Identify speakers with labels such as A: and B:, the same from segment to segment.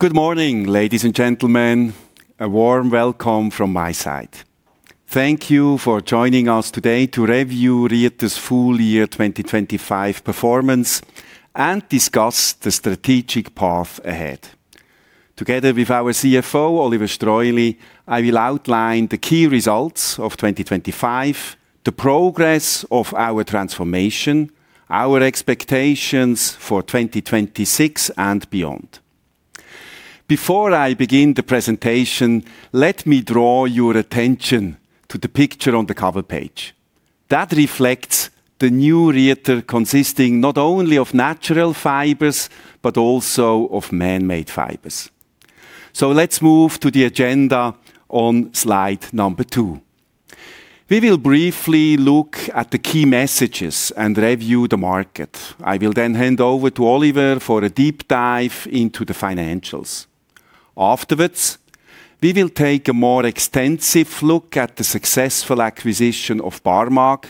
A: Good morning, ladies and gentlemen. A warm welcome from my side. Thank you for joining us today to review Rieter's full year 2025 performance and discuss the strategic path ahead. Together with our CFO, Oliver Streuli, I will outline the key results of 2025, the progress of our transformation, our expectations for 2026 and beyond. Before I begin the presentation, let me draw your attention to the picture on the cover page. That reflects the new Rieter, consisting not only of natural fibers, but also of man-made fibers. Let's move to the agenda on slide number two. We will briefly look at the key messages and review the market. I will then hand over to Oliver for a deep dive into the financials. Afterwards, we will take a more extensive look at the successful acquisition of Barmag,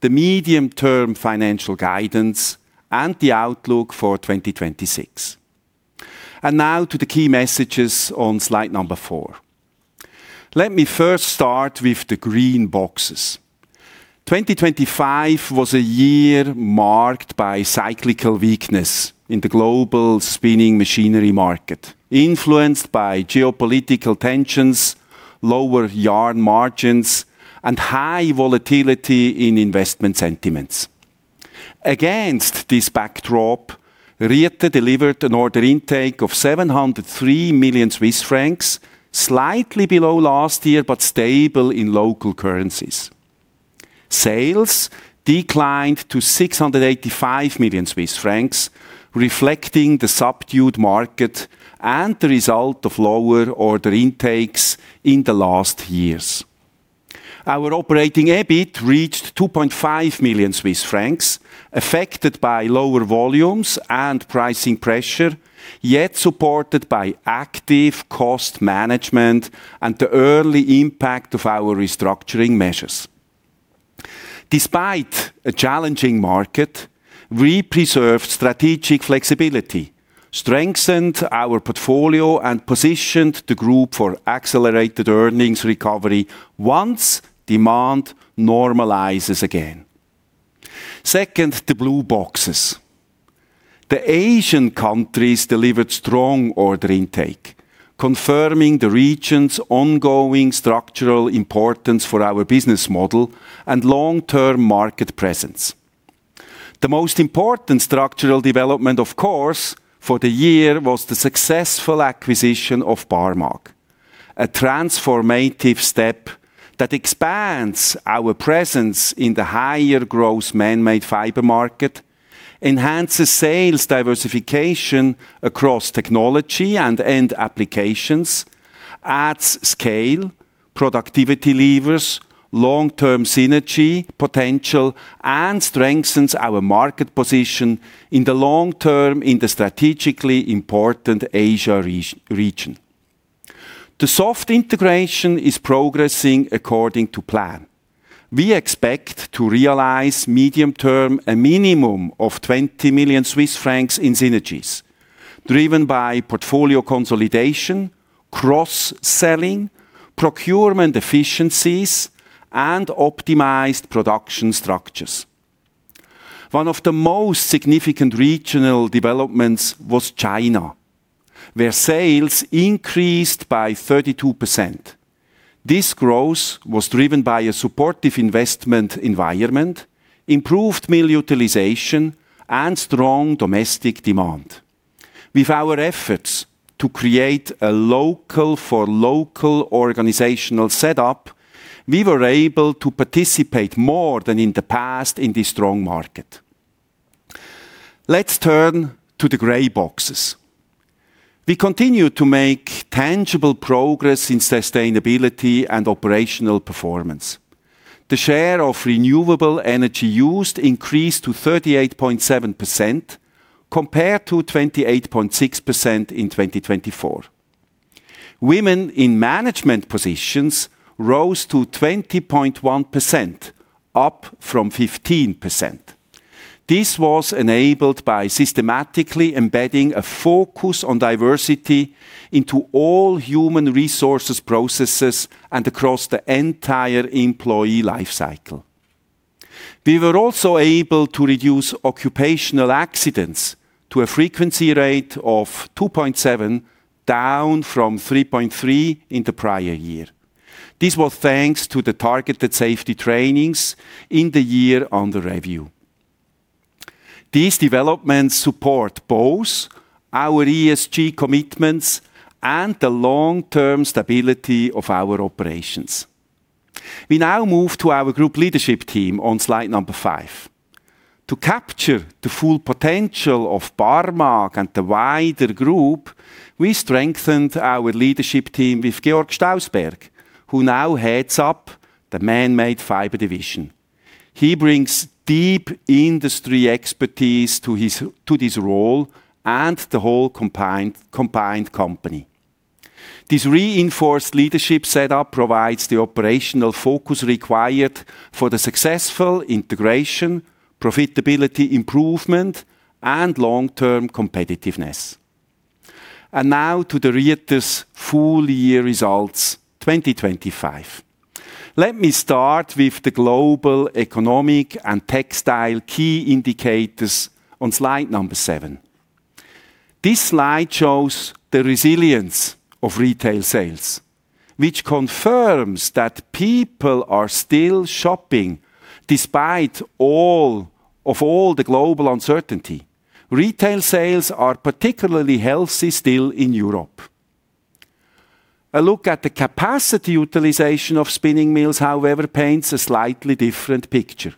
A: the medium-term financial guidance, and the outlook for 2026. Now to the key messages on slide number four. Let me first start with the green boxes. 2025 was a year marked by cyclical weakness in the global spinning machinery market, influenced by geopolitical tensions, lower yarn margins, and high volatility in investment sentiments. Against this backdrop, Rieter delivered an order intake of 703 million Swiss francs, slightly below last year, but stable in local currencies. Sales declined to 685 million Swiss francs, reflecting the subdued market and the result of lower order intakes in the last years. Our operating EBIT reached 2.5 million Swiss francs, affected by lower volumes and pricing pressure, yet supported by active cost management and the early impact of our restructuring measures. Despite a challenging market, we preserved strategic flexibility, strengthened our portfolio, and positioned the group for accelerated earnings recovery once demand normalizes again. Second, the blue boxes. The Asian countries delivered strong order intake, confirming the region's ongoing structural importance for our business model and long-term market presence. The most important structural development, of course, for the year was the successful acquisition of Barmag, a transformative step that expands our presence in the higher growth man-made fiber market, enhances sales diversification across technology and end applications, adds scale, productivity levers, long-term synergy, potential, and strengthens our market position in the long term in the strategically important Asia region. The soft integration is progressing according to plan. We expect to realize medium term a minimum of 20 million Swiss francs in synergies, driven by portfolio consolidation, cross-selling, procurement efficiencies, and optimized production structures. One of the most significant regional developments was China, where sales increased by 32%. This growth was driven by a supportive investment environment, improved mill utilization, and strong domestic demand. With our efforts to create a local for local organizational setup, we were able to participate more than in the past in the strong market. Let's turn to the gray boxes. We continue to make tangible progress in sustainability and operational performance. The share of renewable energy used increased to 38.7%, compared to 28.6% in 2024. Women in management positions rose to 20.1%, up from 15%. This was enabled by systematically embedding a focus on diversity into all human resources processes and across the entire employee life cycle. We were also able to reduce occupational accidents to a frequency rate of 2.7, down from 3.3 in the prior year. This was thanks to the targeted safety trainings in the year on the review. These developments support both our ESG commitments and the long-term stability of our operations. We now move to our group leadership team on slide number five. To capture the full potential of Barmag and the wider group, we strengthened our leadership team with Georg Stausberg, who now heads up the Man-Made Fiber Division. He brings deep industry expertise to this role and the whole combined company. This reinforced leadership setup provides the operational focus required for the successful integration, profitability improvement, and long-term competitiveness. Now to the Rieter's full year results, 2025. Let me start with the global economic and textile key indicators on slide seven. This slide shows the resilience of retail sales, which confirms that people are still shopping despite all the global uncertainty. Retail sales are particularly healthy still in Europe. A look at the capacity utilization of spinning mills, however, paints a slightly different picture.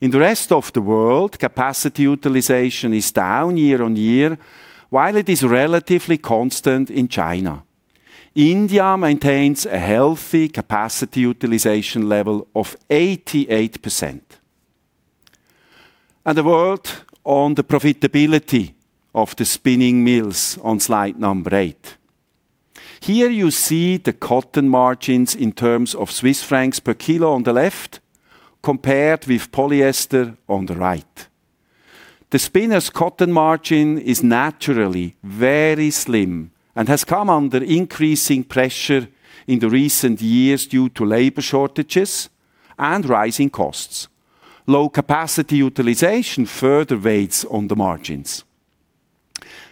A: In the rest of the world, capacity utilization is down year-on-year, while it is relatively constant in China. India maintains a healthy capacity utilization level of 88%. A word on the profitability of the spinning mills on slide eight. Here, you see the cotton margins in terms of Swiss francs per kilo on the left, compared with polyester on the right. The spinner's cotton margin is naturally very slim and has come under increasing pressure in the recent years due to labor shortages and rising costs. Low capacity utilization further weighs on the margins.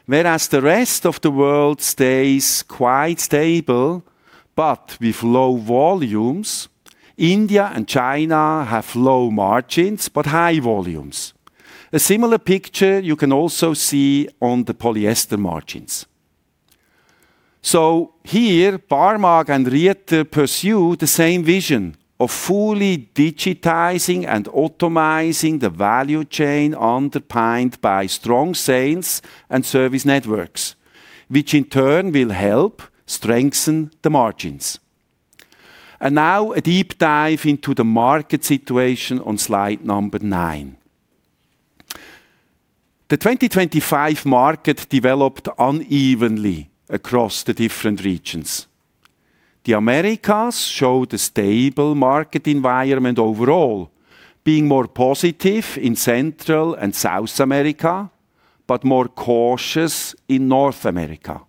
A: Whereas the rest of the world stays quite stable, but with low volumes, India and China have low margins, but high volumes. A similar picture you can also see on the polyester margins. Here, Barmag and Rieter pursue the same vision of fully digitizing and automizing the value chain, underpinned by strong sales and service networks, which in turn will help strengthen the margins. A deep dive into the market situation on slide number nine. The 2025 market developed unevenly across the different regions. The Americas showed a stable market environment overall, being more positive in Central and South America, but more cautious in North America.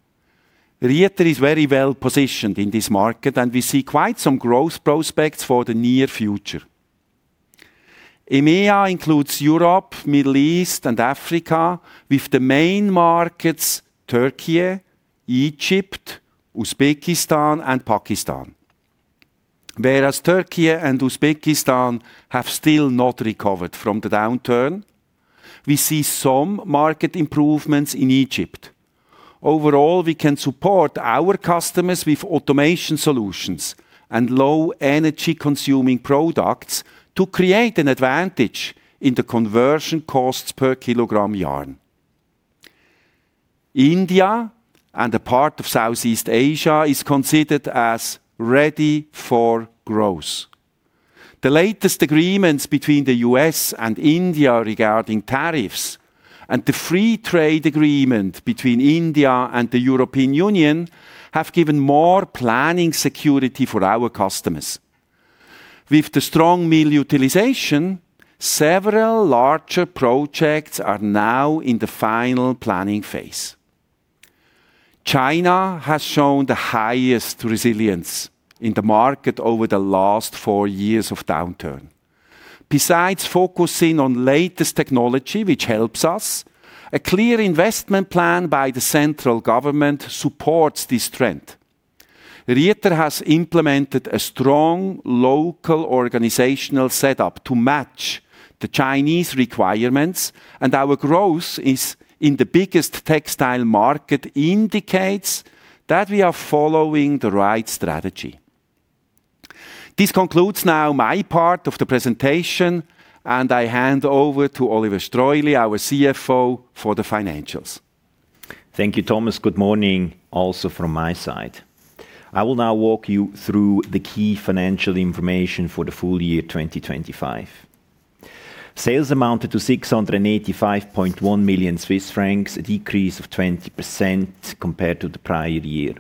A: Rieter is very well-positioned in this market, and we see quite some growth prospects for the near future. EMEA includes Europe, Middle East, and Africa, with the main markets, Turkey, Egypt, Uzbekistan, and Pakistan. Whereas Turkey and Uzbekistan have still not recovered from the downturn, we see some market improvements in Egypt. Overall, we can support our customers with automation solutions and low energy-consuming products to create an advantage in the conversion costs per kilogram yarn. India and a part of Southeast Asia is considered as ready for growth. The latest agreements between the U.S. and India regarding tariffs and the free trade agreement between India and the European Union have given more planning security for our customers. With the strong mill utilization, several larger projects are now in the final planning phase. China has shown the highest resilience in the market over the last four years of downturn. Besides focusing on latest technology, which helps us, a clear investment plan by the central government supports this trend. Rieter has implemented a strong local organizational setup to match the Chinese requirements, and our growth is in the biggest textile market, indicates that we are following the right strategy. This concludes now my part of the presentation, and I hand over to Oliver Streuli, our CFO, for the financials.
B: Thank you, Thomas. Good morning also from my side. I will now walk you through the key financial information for the full year 2025. Sales amounted to 685.1 million Swiss francs, a decrease of 20% compared to the prior year.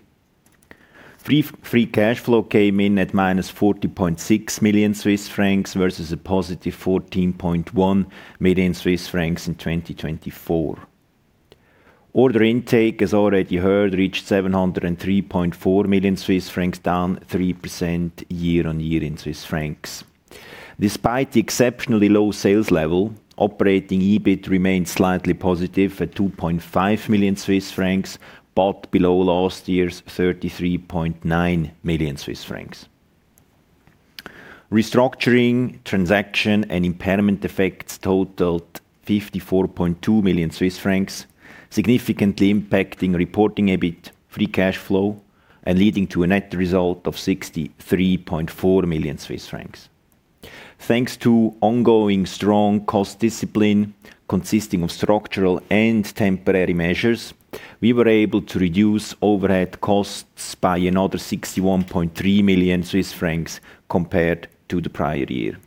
B: Free cash flow came in at -40.6 million Swiss francs, versus a positive 14.1 million Swiss francs in 2024. Order intake, as already heard, reached 703.4 million Swiss francs, down 3% year-on-year in Swiss francs. Despite the exceptionally low sales level, operating EBIT remained slightly positive at 2.5 million Swiss francs, but below last year's 33.9 million Swiss francs. Restructuring, transaction, and impairment effects totaled 54.2 million Swiss francs, significantly impacting reporting EBIT free cash flow and leading to a net result of 63.4 million Swiss francs. Thanks to ongoing strong cost discipline, consisting of structural and temporary measures, we were able to reduce overhead costs by another 61.3 million Swiss francs compared to the prior year.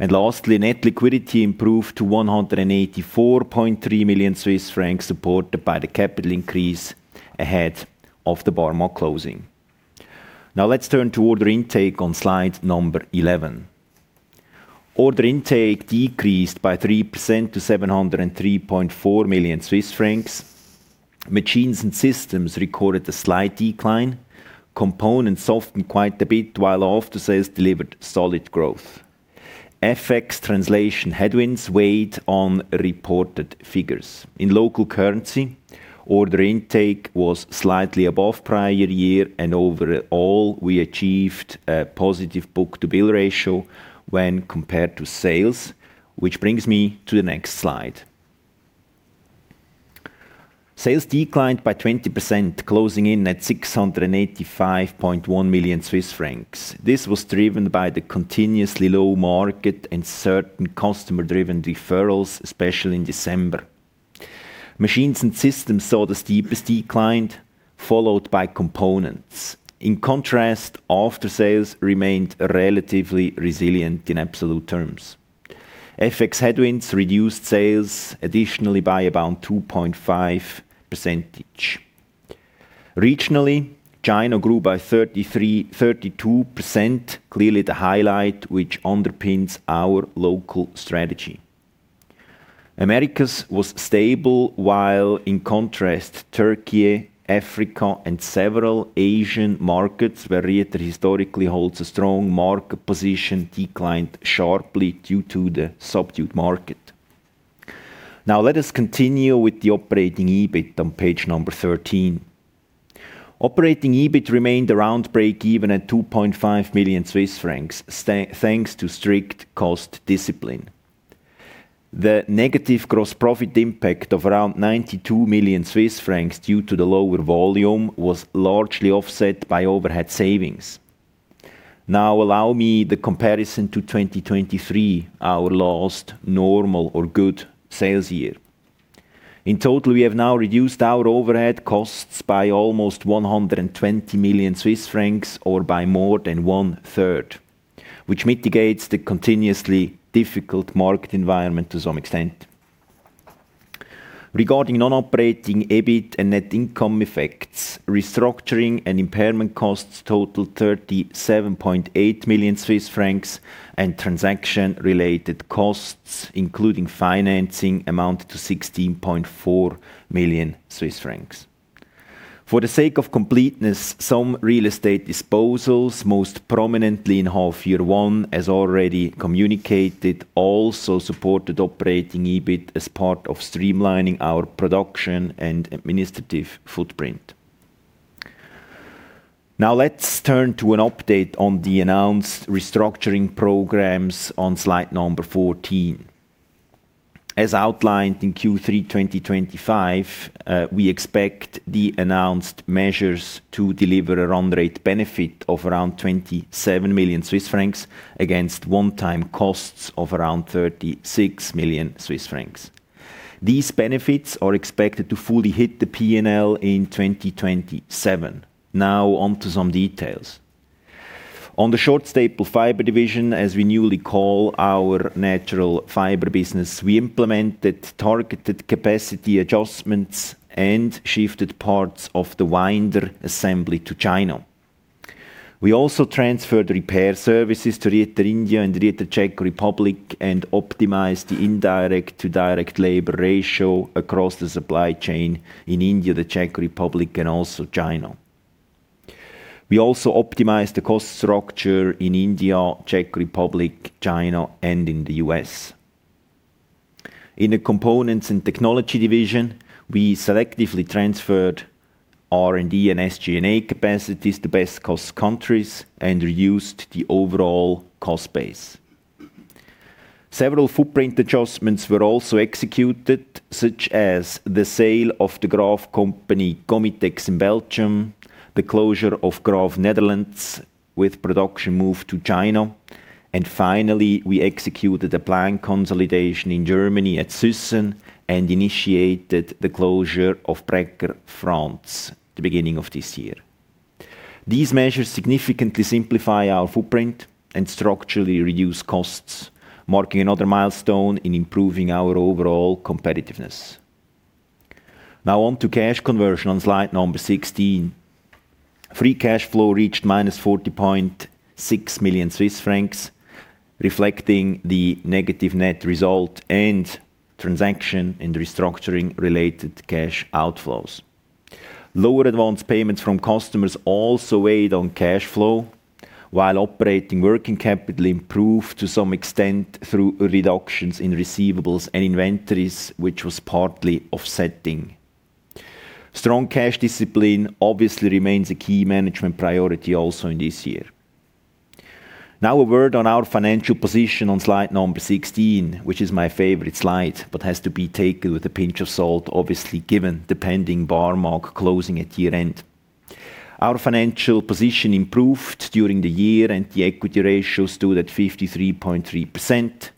B: Lastly, net liquidity improved to 184.3 million Swiss francs, supported by the capital increase ahead of the Barmag closing. Now let's turn to order intake on slide number 11. Order intake decreased by 3% to 703.4 million Swiss francs. Machines and systems recorded a slight decline. Components softened quite a bit, while after-sales delivered solid growth. FX translation headwinds weighed on reported figures. In local currency, order intake was slightly above prior year. Overall, we achieved a positive book-to-bill ratio when compared to sales, which brings me to the next slide. Sales declined by 20%, closing in at 685.1 million Swiss francs. This was driven by the continuously low market and certain customer-driven deferrals, especially in December. Machines and systems saw the steepest decline, followed by components. In contrast, after-sales remained relatively resilient in absolute terms. FX headwinds reduced sales additionally by about 2.5%. Regionally, China grew by 32%, clearly the highlight, which underpins our local strategy. Americas was stable, while in contrast, Turkey, Africa, and several Asian markets, where Rieter historically holds a strong market position, declined sharply due to the subdued market. Let us continue with the operating EBIT on page number 13. Operating EBIT remained around breakeven at 2.5 million Swiss francs, thanks to strict cost discipline. The negative gross profit impact of around 92 million Swiss francs due to the lower volume, was largely offset by overhead savings. Allow me the comparison to 2023, our last normal or good sales year. In total, we have now reduced our overhead costs by almost 120 million Swiss francs, or by more than one-third, which mitigates the continuously difficult market environment to some extent. Regarding non-operating EBIT and net income effects, restructuring and impairment costs totaled 37.8 million Swiss francs, and transaction-related costs, including financing, amounted to 16.4 million Swiss francs. For the sake of completeness, some real estate disposals, most prominently in half-year one, as already communicated, also supported operating EBIT as part of streamlining our production and administrative footprint. Let's turn to an update on the announced restructuring programs on slide 14. As outlined in Q3 2025, we expect the announced measures to deliver a run rate benefit of around 27 million Swiss francs, against one-time costs of around 36 million Swiss francs. These benefits are expected to fully hit the P&L in 2027. On to some details. On the Short-Staple Fiber Division, as we newly call our natural fiber business, we implemented targeted capacity adjustments and shifted parts of the winder assembly to China. We also transferred repair services to Rieter, India, and Rieter, Czech Republic, and optimized the indirect-to-direct labor ratio across the supply chain in India, the Czech Republic, and also China. We also optimized the cost structure in India, Czech Republic, China, and in the U.S. In the Components and Technology Division, we selectively transferred R&D and SG&A capacities to best cost countries and reduced the overall cost base. Several footprint adjustments were also executed, such as the sale of the Graf company, Comatex in Belgium, the closure of Graf, Netherlands, with production moved to China. Finally, we executed a planned consolidation in Germany at Suessen and initiated the closure of Bräcker, France, the beginning of this year. These measures significantly simplify our footprint and structurally reduce costs, marking another milestone in improving our overall competitiveness. On to cash conversion on slide number 16. Free cash flow reached -40.6 million Swiss francs, reflecting the negative net result and transaction in the restructuring-related cash outflows. Lower advance payments from customers also weighed on cash flow, while operating working capital improved to some extent through reductions in receivables and inventories, which was partly offsetting. Strong cash discipline obviously remains a key management priority also in this year. Now, a word on our financial position on slide number 16, which is my favorite slide, but has to be taken with a pinch of salt, obviously, given the pending Barmag closing at year-end. Our financial position improved during the year. The equity ratio stood at 53.3%.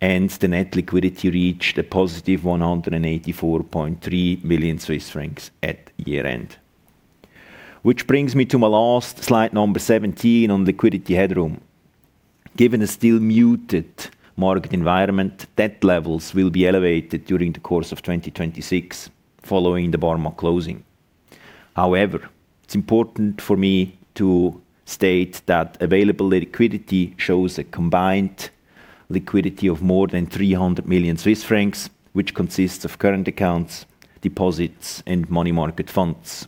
B: The net liquidity reached a positive 184.3 million Swiss francs at year-end. Which brings me to my last slide, number 17, on liquidity headroom. Given the still muted market environment, debt levels will be elevated during the course of 2026, following the Barmag closing. However, it's important for me to state that available liquidity shows a combined liquidity of more than 300 million Swiss francs, which consists of current accounts, deposits, and money market funds.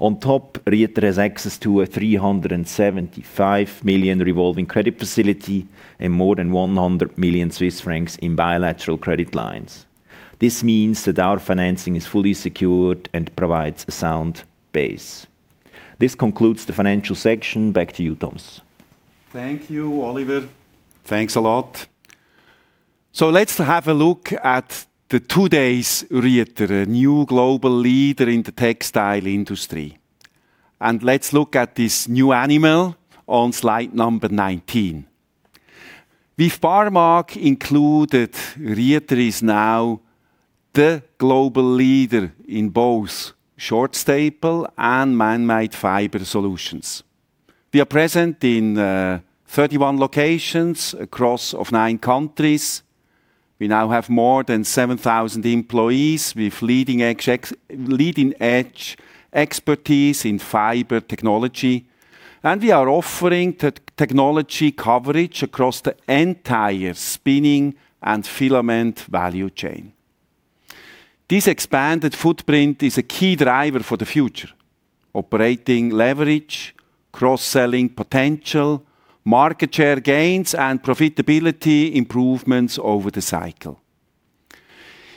B: On top, Rieter has access to a 375 million revolving credit facility and more than 100 million Swiss francs in bilateral credit lines. This means that our financing is fully secured and provides a sound base. This concludes the financial section. Back to you, Thomas.
A: Thank you, Oliver. Thanks a lot. Let's have a look at the today's Rieter, a new global leader in the textile industry. Let's look at this new animal on slide number 19. With Barmag included, Rieter is now the global leader in both short-staple and man-made fiber solutions. We are present in 31 locations across of nine countries. We now have more than 7,000 employees, with leading edge expertise in fiber technology, and we are offering technology coverage across the entire spinning and filament value chain. This expanded footprint is a key driver for the future: operating leverage, cross-selling potential, market share gains, and profitability improvements over the cycle.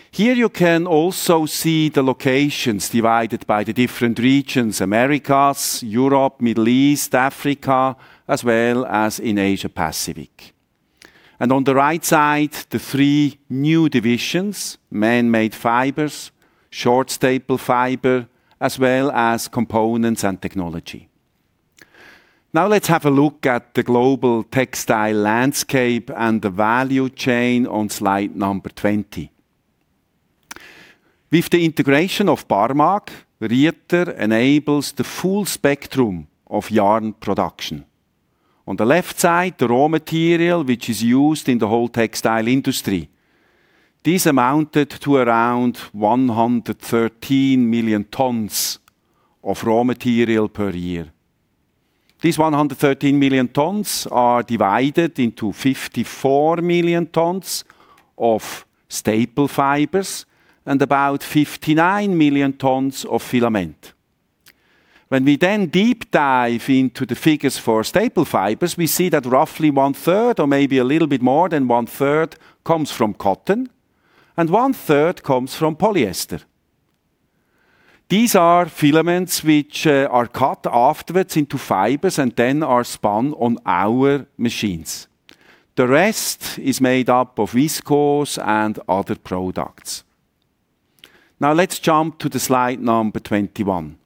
A: Here you can also see the locations divided by the different regions: Americas, Europe, Middle East, Africa, as well as in Asia Pacific. On the right side, the three new divisions: Man-Made Fibers, Short-Staple Fiber, as well as Components and Technology. Let's have a look at the global textile landscape and the value chain on slide number 20. With the integration of Barmag, Rieter enables the full spectrum of yarn production. On the left side, the raw material, which is used in the whole textile industry. This amounted to around 113 million tons of raw material per year. These 113 million tons are divided into 54 million tons of staple fibers and about 59 million tons of filament. When we then deep dive into the figures for staple fibers, we see that roughly one third, or maybe a little bit more than one third, comes from cotton and one third comes from polyester. These are filaments which are cut afterwards into fibers and then are spun on our machines. The rest is made up of viscose and other products. Let's jump to the slide number 21.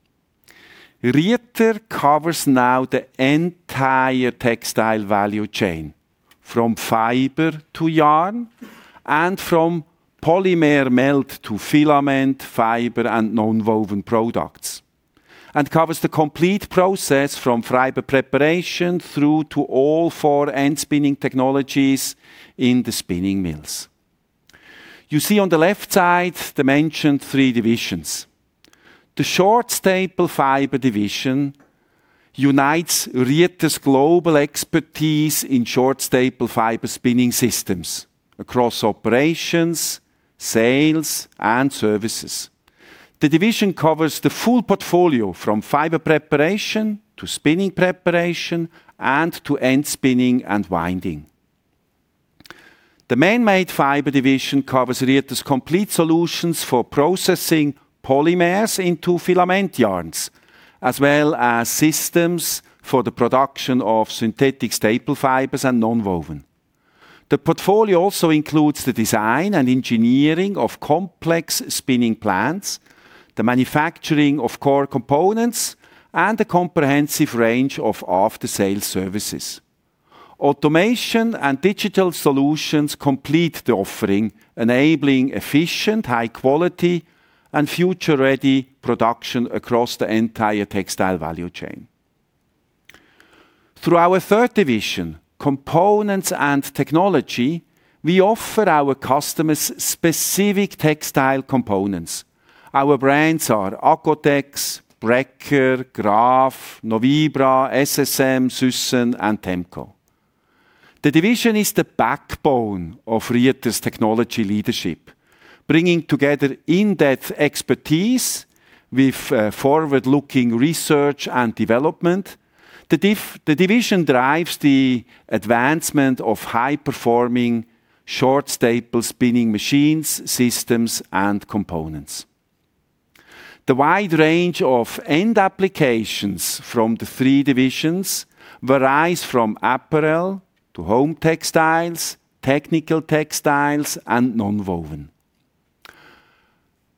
A: Rieter covers the entire textile value chain, from fiber to yarn and from polymer melt to filament, fiber, and nonwoven products, and covers the complete process, from fiber preparation through to all four end spinning technologies in the spinning mills. You see on the left side, the mentioned three divisions. The Short-Staple Fiber Division unites Rieter's global expertise in short-staple fiber spinning systems across operations, sales, and services. The division covers the full portfolio, from fiber preparation to spinning preparation and to end spinning and winding. The Man-Made Fiber Division covers Rieter's complete solutions for processing polymers into filament yarns, as well as systems for the production of synthetic staple fibers and nonwoven. The portfolio also includes the design and engineering of complex spinning plants, the manufacturing of core components, and a comprehensive range of after-sale services. Automation and digital solutions complete the offering, enabling efficient, high-quality, and future-ready production across the entire textile value chain. Through our third division, Components and Technology, we offer our customers specific textile components. Our brands are Accotex, Bräcker, Graf, Novibra, SSM, Suessen, and Temco. The division is the backbone of Rieter's technology leadership, bringing together in-depth expertise with forward-looking R&D. The division drives the advancement of high-performing, short-staple spinning machines, systems, and components. The wide range of end applications from the three divisions varies from apparel to home textiles, technical textiles, and nonwoven.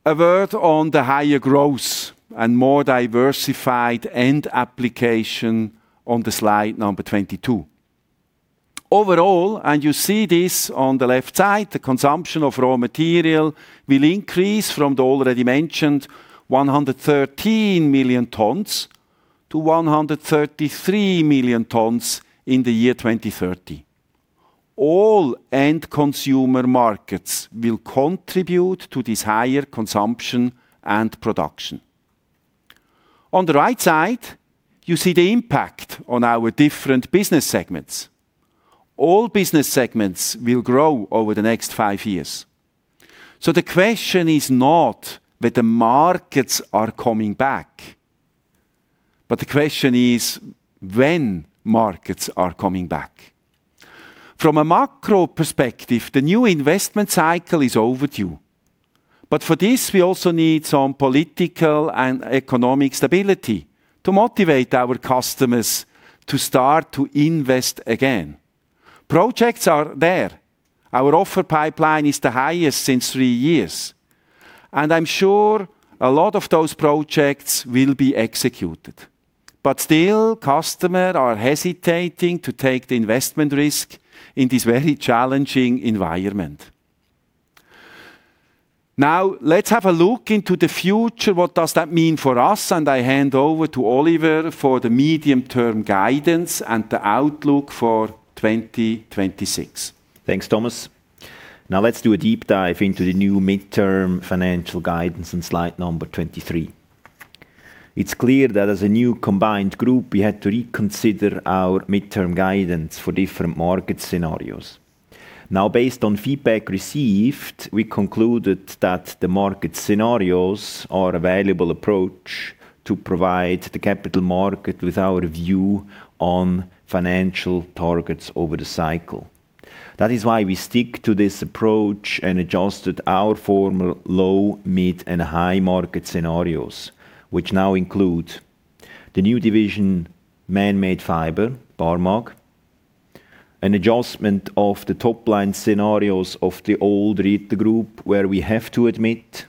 A: A word on the higher growth and more diversified end application on the slide number 22. Overall, you see this on the left side, the consumption of raw material will increase from the already mentioned 113 million tons to 133 million tons in the year 2030. All end consumer markets will contribute to this higher consumption and production. On the right side, you see the impact on our different business segments. All business segments will grow over the next five years. The question is not whether markets are coming back, but the question is when markets are coming back. From a macro perspective, the new investment cycle is overdue, for this, we also need some political and economic stability to motivate our customers to start to invest again. Projects are there. Our offer pipeline is the highest in three years, and I'm sure a lot of those projects will be executed. Still, customers are hesitating to take the investment risk in this very challenging environment. Now, let's have a look into the future. What does that mean for us? I hand over to Oliver for the medium-term guidance and the outlook for 2026.
B: Thanks, Thomas. Let's do a deep dive into the new midterm financial guidance on slide number 23. It's clear that as a new combined group, we had to reconsider our midterm guidance for different market scenarios. Based on feedback received, we concluded that the market scenarios are a valuable approach to provide the capital market with our view on financial targets over the cycle. That is why we stick to this approach and adjusted our former low, mid, and high market scenarios, which now include the new division, Man-Made Fiber, Barmag. An adjustment of the top-line scenarios of the old Rieter Group, where we have to admit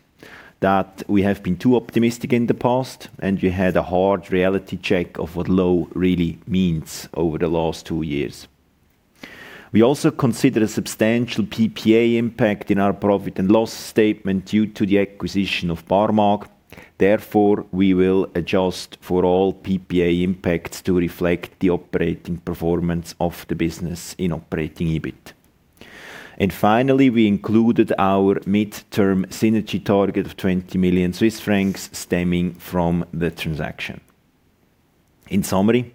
B: that we have been too optimistic in the past, and we had a hard reality check of what low really means over the last two years. We also consider a substantial PPA impact in our profit and loss statement due to the acquisition of Barmag. Therefore, we will adjust for all PPA impacts to reflect the operating performance of the business in operating EBIT. Finally, we included our midterm synergy target of 20 million Swiss francs stemming from the transaction. In summary,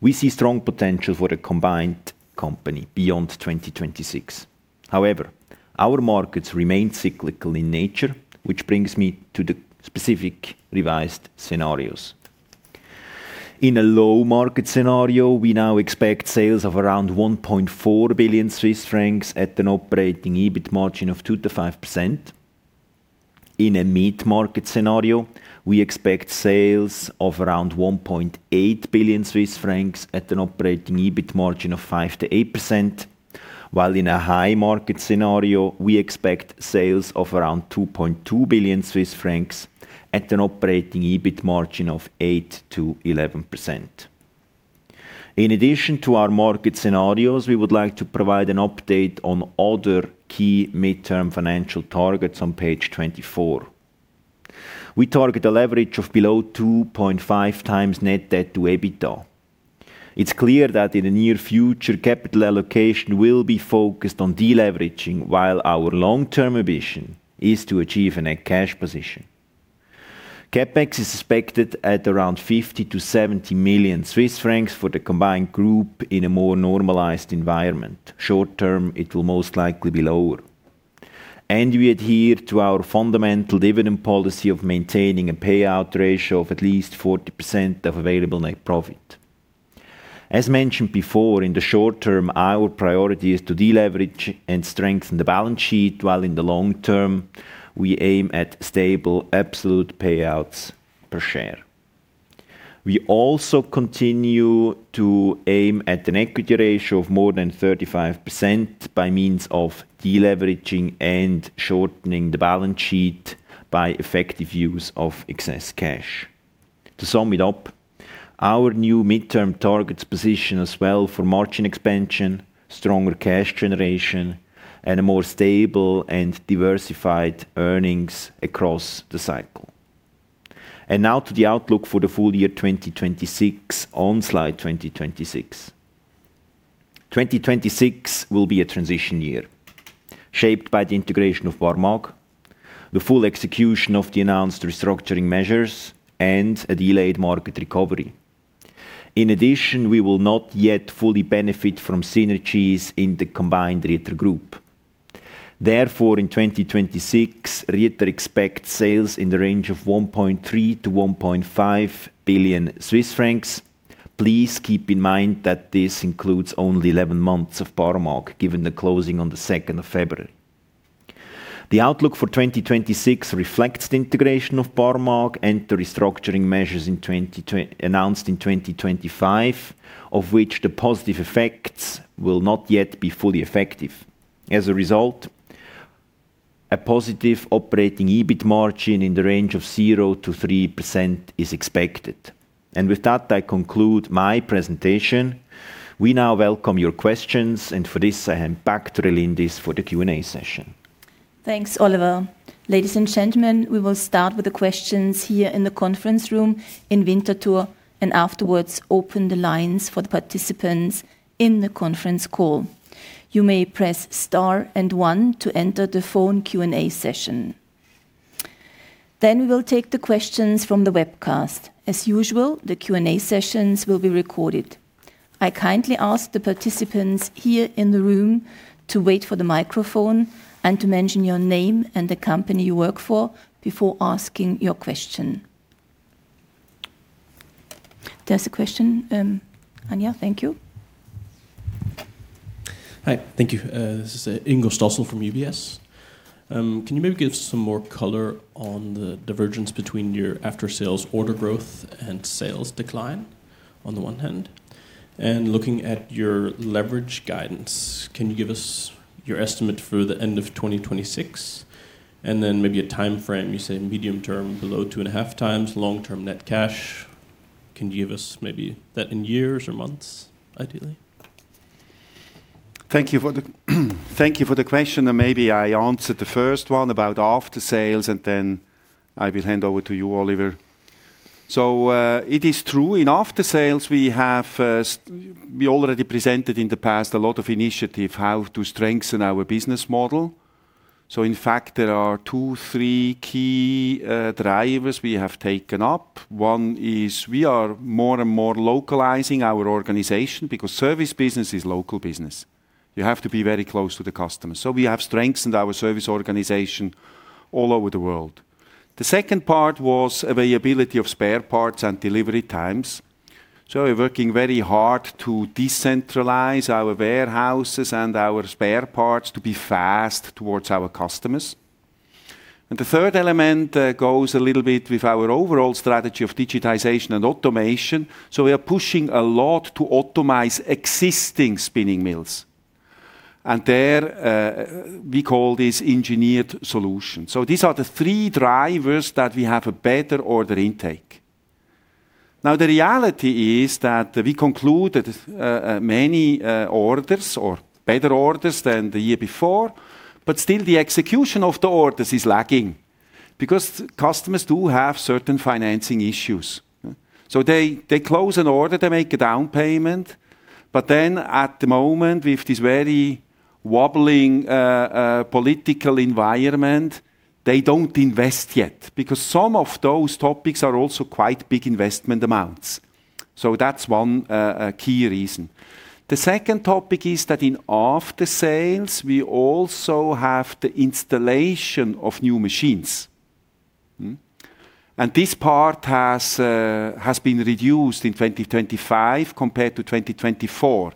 B: we see strong potential for a combined company beyond 2026. However, our markets remain cyclical in nature, which brings me to the specific revised scenarios. In a low market scenario, we now expect sales of around 1.4 billion Swiss francs at an operating EBIT margin of 2%-5%. In a mid-market scenario, we expect sales of around 1.8 billion Swiss francs at an operating EBIT margin of 5%-8%, while in a high market scenario, we expect sales of around 2.2 billion Swiss francs at an operating EBIT margin of 8%-11%. In addition to our market scenarios, we would like to provide an update on other key midterm financial targets on page 24. We target a leverage of below 2.5x net debt to EBITDA. It's clear that in the near future, capital allocation will be focused on deleveraging, while our long-term ambition is to achieve a net cash position. CapEx is expected at around 50 million-70 million Swiss francs for the combined group in a more normalized environment. Short term, it will most likely be lower. We adhere to our fundamental dividend policy of maintaining a payout ratio of at least 40% of available net profit. As mentioned before, in the short term, our priority is to deleverage and strengthen the balance sheet, while in the long term, we aim at stable absolute payouts per share. We also continue to aim at an equity ratio of more than 35% by means of deleveraging and shortening the balance sheet by effective use of excess cash. To sum it up, our new midterm targets position us well for margin expansion, stronger cash generation, and a more stable and diversified earnings across the cycle. Now to the outlook for the full year 2026, on slide 2026. 2026 will be a transition year, shaped by the integration of Barmag, the full execution of the announced restructuring measures, and a delayed market recovery. In addition, we will not yet fully benefit from synergies in the combined Rieter Group. Therefore, in 2026, Rieter expects sales in the range of 1.3 billion-1.5 billion Swiss francs. Please keep in mind that this includes only 11 months of Barmag, given the closing on the 2nd of February. The outlook for 2026 reflects the integration of Barmag and the restructuring measures announced in 2025, of which the positive effects will not yet be fully effective. As a result, a positive operating EBIT margin in the range of 0%-3% is expected. With that, I conclude my presentation. We now welcome your questions, and for this, I hand back to Operator for the Q&A session.
C: Thanks, Oliver. Ladies and gentlemen, we will start with the questions here in the conference room in Winterthur. Afterwards open the lines for the participants in the conference call. You may press star 1 to enter the phone Q&A session. We will take the questions from the webcast. As usual, the Q&A sessions will be recorded. I kindly ask the participants here in the room to wait for the microphone and to mention your name and the company you work for before asking your question. There's a question, Anya. Thank you.
D: Hi. Thank you. This is Ingo Schachel from UBS. Can you maybe give some more color on the divergence between your after-sales order growth and sales decline on the one hand? Looking at your leverage guidance, can you give us your estimate for the end of 2026, and then maybe a time frame? You said medium-term, below 2.5x long-term net cash. Can you give us maybe that in years or months, ideally?
A: Thank you for the question. Maybe I answer the first one about aftersales. Then I will hand over to you, Oliver. It is true, in aftersales, we have already presented in the past a lot of initiative, how to strengthen our business model. In fact, there are two, three key drivers we have taken up. One is we are more and more localizing our organization, because service business is local business. You have to be very close to the customer. We have strengthened our service organization all over the world. The second part was availability of spare parts and delivery times. We're working very hard to decentralize our warehouses and our spare parts to be fast towards our customers. The third element goes a little bit with our overall strategy of digitization and automation. We are pushing a lot to optimize existing spinning mills, and there, we call this engineered solution. These are the three drivers that we have a better order intake. The reality is that we concluded many orders or better orders than the year before, but still the execution of the orders is lagging because customers do have certain financing issues. They close an order, they make a down payment, but then at the moment, with this very wobbling political environment, they don't invest yet, because some of those topics are also quite big investment amounts. That's one key reason. The second topic is that in aftersales, we also have the installation of new machines. This part has been reduced in 2025 compared to 2024,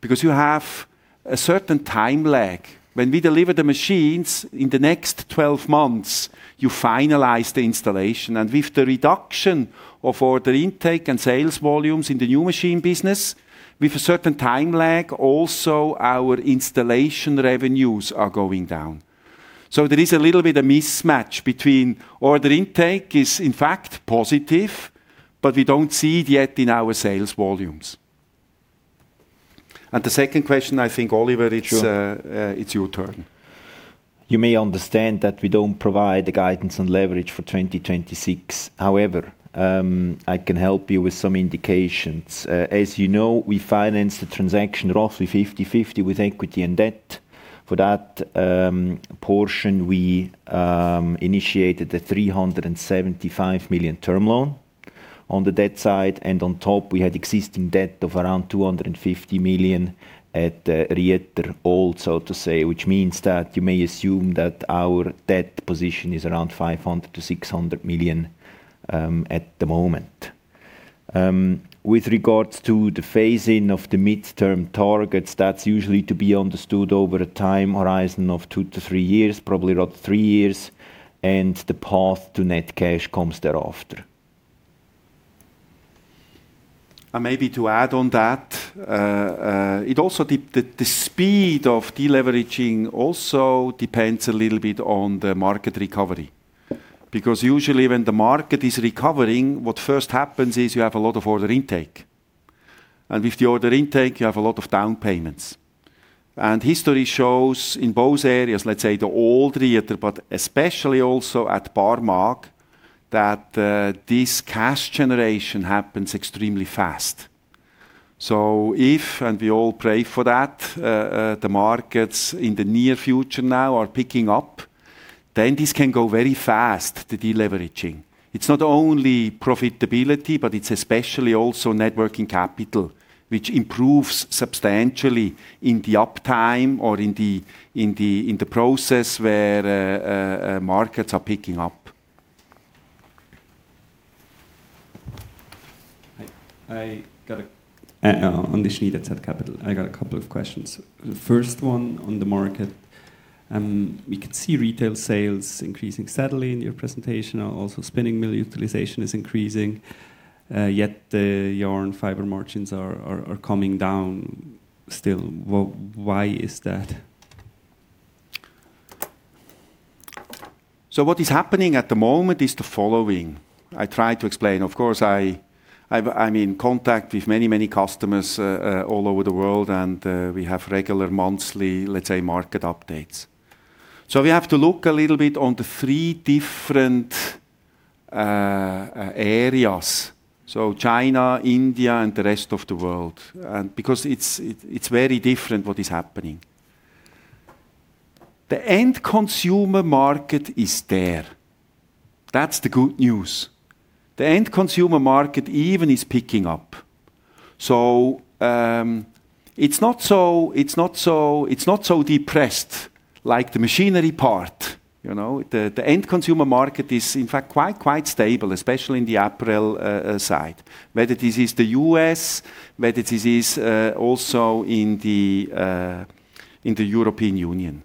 A: because you have a certain time lag. When we deliver the machines, in the next 12 months, you finalize the installation, and with the reduction of order intake and sales volumes in the new machine business, with a certain time lag, also our installation revenues are going down. There is a little bit of mismatch between order intake is in fact positive, but we don't see it yet in our sales volumes. The second question, I think, Oliver.
B: Sure
A: It's your turn.
B: You may understand that we don't provide the guidance and leverage for 2026. However, I can help you with some indications. As you know, we financed the transaction roughly 50/50 with equity and debt. For that portion, we initiated a 375 million term loan on the debt side, and on top, we had existing debt of around 250 million at Rieter old, so to say, which means that you may assume that our debt position is around 500 million-600 million at the moment. With regards to the phasing of the midterm targets, that's usually to be understood over a time horizon of 2-3 years, probably about three years, and the path to net cash comes thereafter.
A: Maybe to add on that, it also the speed of deleveraging also depends a little bit on the market recovery. Usually when the market is recovering, what first happens is you have a lot of order intake, and with the order intake, you have a lot of down payments. History shows in both areas, let's say the old Rieter, but especially also at Barmag, that this cash generation happens extremely fast. If, and we all pray for that, the markets in the near future now are picking up, then this can go very fast, the deleveraging. It's not only profitability, but it's especially also networking capital, which improves substantially in the uptime or in the process where markets are picking up.
D: I got a on the sheet that said capital, I got a couple of questions. The first one on the market, we can see retail sales increasing steadily in your presentation, also spinning mill utilization is increasing, yet the yarn fiber margins are coming down. Well, why is that?
A: What is happening at the moment is the following. I try to explain. Of course, I'm in contact with many, many customers all over the world, and we have regular monthly, let's say, market updates. We have to look a little bit on the three different areas, so China, India, and the rest of the world. Because it's very different what is happening. The end consumer market is there. That's the good news. The end consumer market even is picking up. It's not so depressed like the machinery part, you know. The end consumer market is, in fact, quite stable, especially in the apparel side, whether this is the U.S., whether this is also in the European Union.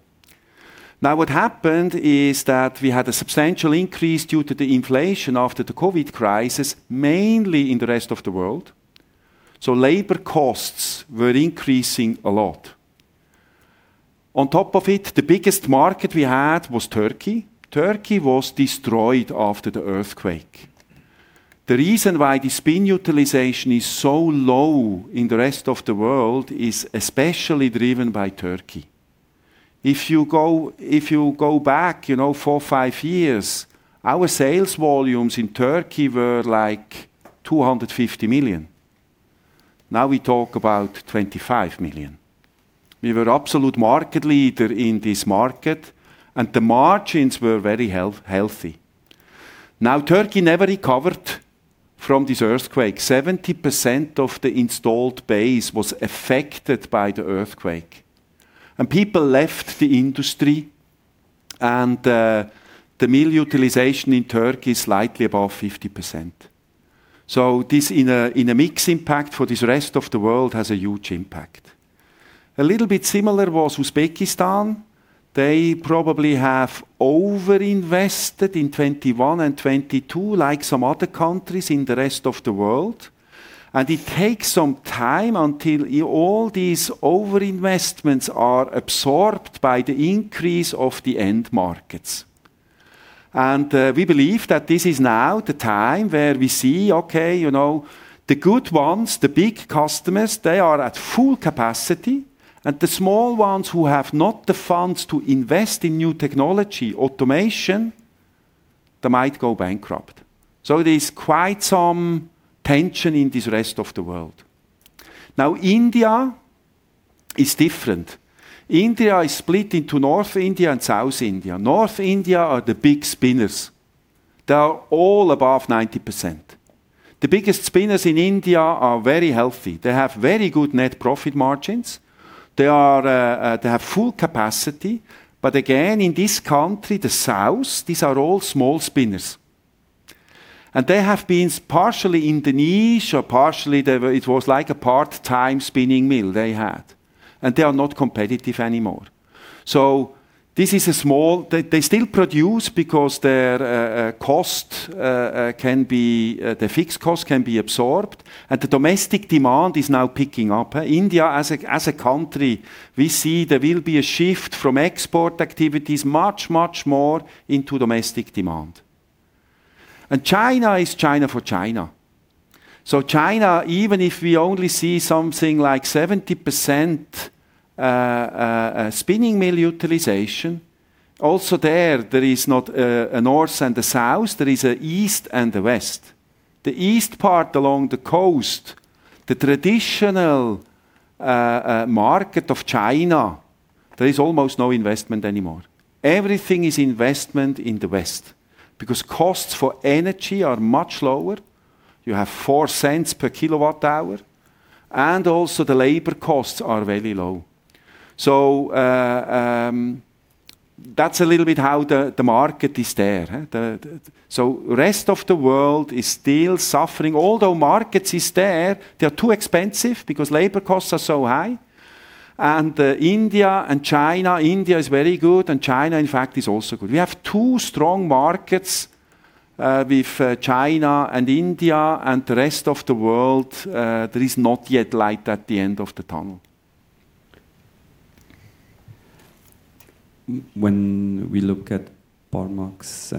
A: What happened is that we had a substantial increase due to the inflation after the COVID crisis, mainly in the rest of the world, so labor costs were increasing a lot. On top of it, the biggest market we had was Turkey. Turkey was destroyed after the earthquake. The reason why the spin utilization is so low in the rest of the world is especially driven by Turkey. If you go back, you know, four, five years, our sales volumes in Turkey were, like, 250 million. We talk about 25 million. We were absolute market leader in this market, and the margins were very healthy. Turkey never recovered from this earthquake. 70% of the installed base was affected by the earthquake, and people left the industry, and the mill utilization in Turkey is slightly above 50%. This in a mix impact for this rest of the world has a huge impact. A little bit similar was Uzbekistan. They probably have overinvested in 2021 and 2022, like some other countries in the rest of the world, and it takes some time until all these overinvestments are absorbed by the increase of the end markets. We believe that this is now the time where we see, okay, you know, the good ones, the big customers, they are at full capacity, and the small ones who have not the funds to invest in new technology, automation, they might go bankrupt. There's quite some tension in this rest of the world. India is different. India is split into North India and South India. North India are the big spinners. They are all above 90%. The biggest spinners in India are very healthy. They have very good net profit margins. They have full capacity, but again, in this country, the south, these are all small spinners. They have been partially in the niche or partially it was like a part-time spinning mill they had, and they are not competitive anymore. They still produce because their cost can be the fixed cost can be absorbed, and the domestic demand is now picking up. India, as a country, we see there will be a shift from export activities much, much more into domestic demand. China is China for China. China, even if we only see something like 70% spinning mill utilization, also there is not a north and a south, there is a east and a west. The east part along the coast, the traditional market of China, there is almost no investment anymore. Everything is investment in the west because costs for energy are much lower. You have 0.04 per kilowatt hour, and also the labor costs are very low. That's a little bit how the market is there, huh? Rest of the world is still suffering. Although markets is there, they are too expensive because labor costs are so high. India and China, India is very good, and China, in fact, is also good. We have two strong markets, with China and India, and the rest of the world, there is not yet light at the end of the tunnel.
D: When we look at Barmag's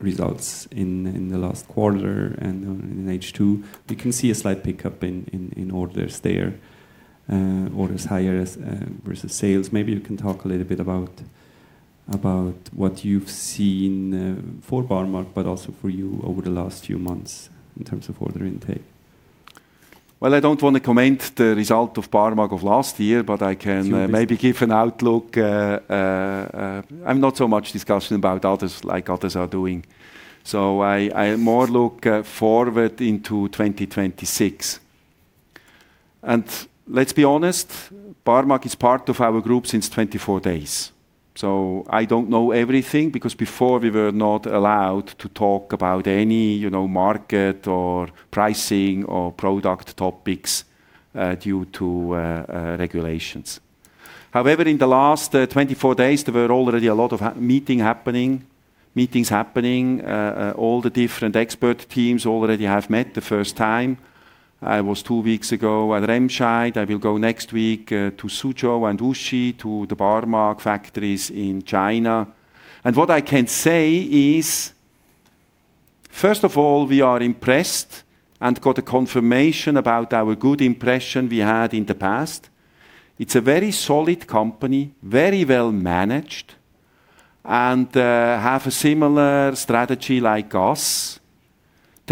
D: results in the last quarter and in H2, we can see a slight pickup in orders there, orders higher as versus sales. Maybe you can talk a little bit about what you've seen for Barmag, but also for you over the last few months in terms of order intake.
A: Well, I don't want to comment the result of Barmag of last year, but I can.
D: Sure.
A: Maybe give an outlook. I'm not so much discussion about others, like others are doing, so I more look forward into 2026. Let's be honest, Barmag is part of our group since 24 days. I don't know everything, because before, we were not allowed to talk about any, you know, market or pricing or product topics, due to regulations. However, in the last 24 days, there were already a lot of meetings happening, all the different expert teams already have met the first time. I was two weeks ago at Remscheid. I will go next week to Suzhou and Wuxi, to the Barmag factories in China. What I can say is, first of all, we are impressed and got a confirmation about our good impression we had in the past. It's a very solid company, very well managed, and have a similar strategy like us: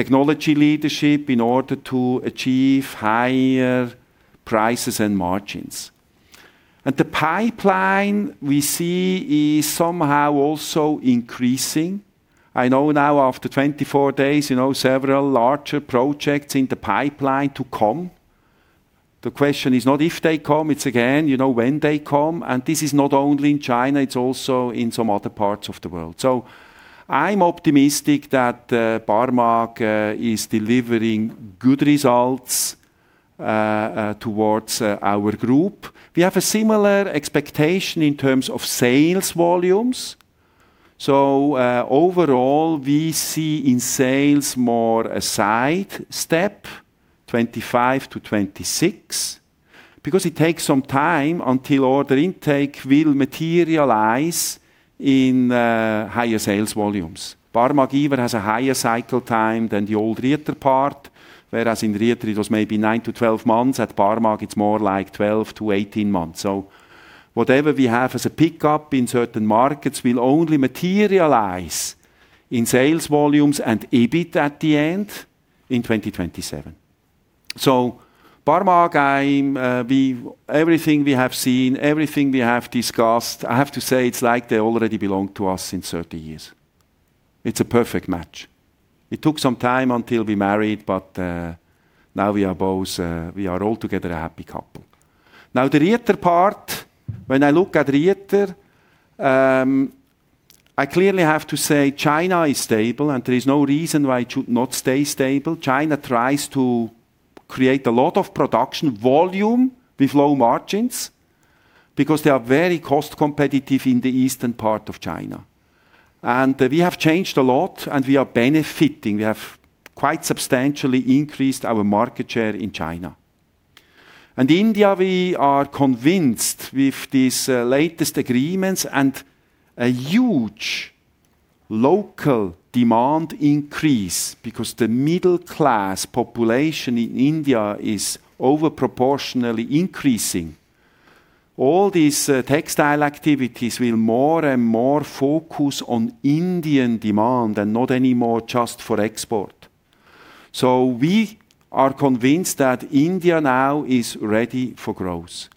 A: technology leadership in order to achieve higher prices and margins. The pipeline we see is somehow also increasing. I know now, after 24 days, you know, several larger projects in the pipeline to come. The question is not if they come, it's again, you know, when they come, this is not only in China, it's also in some other parts of the world. I'm optimistic that Barmag is delivering good results towards our group. We have a similar expectation in terms of sales volumes. Overall, we see in sales more a side step, 2025-2026, because it takes some time until order intake will materialize in higher sales volumes. Barmag even has a higher cycle time than the old Rieter part, whereas in Rieter it was maybe 9-12 months, at Barmag it's more like 12-18 months. Whatever we have as a pickup in certain markets will only materialize in sales volumes and EBIT at the end in 2027. Barmag, I, everything we have seen, everything we have discussed, I have to say it's like they already belong to us in certain years. It's a perfect match. It took some time until we married, but now we are both. We are all together a happy couple. The Rieter part, when I look at Rieter, I clearly have to say China is stable and there is no reason why it should not stay stable. China tries to create a lot of production volume with low margins because they are very cost competitive in the eastern part of China. We have changed a lot, and we are benefiting. We have quite substantially increased our market share in China. India, we are convinced with these latest agreements and a huge local demand increase because the middle class population in India is over proportionally increasing. All these textile activities will more and more focus on Indian demand and not anymore just for export. We are convinced that India now is ready for growth.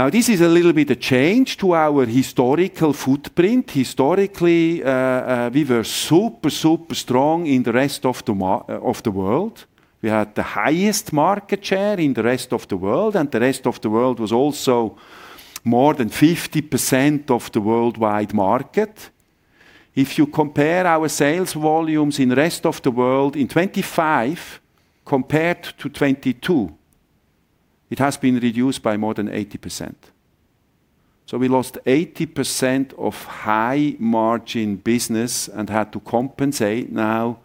A: Now, this is a little bit a change to our historical footprint. Historically, we were super strong in the rest of the world. We had the highest market share in the rest of the world, and the rest of the world was also more than 50% of the worldwide market. If you compare our sales volumes in the rest of the world, in 25 compared to 22, it has been reduced by more than 80%. We lost 80% of high-margin business and had to compensate now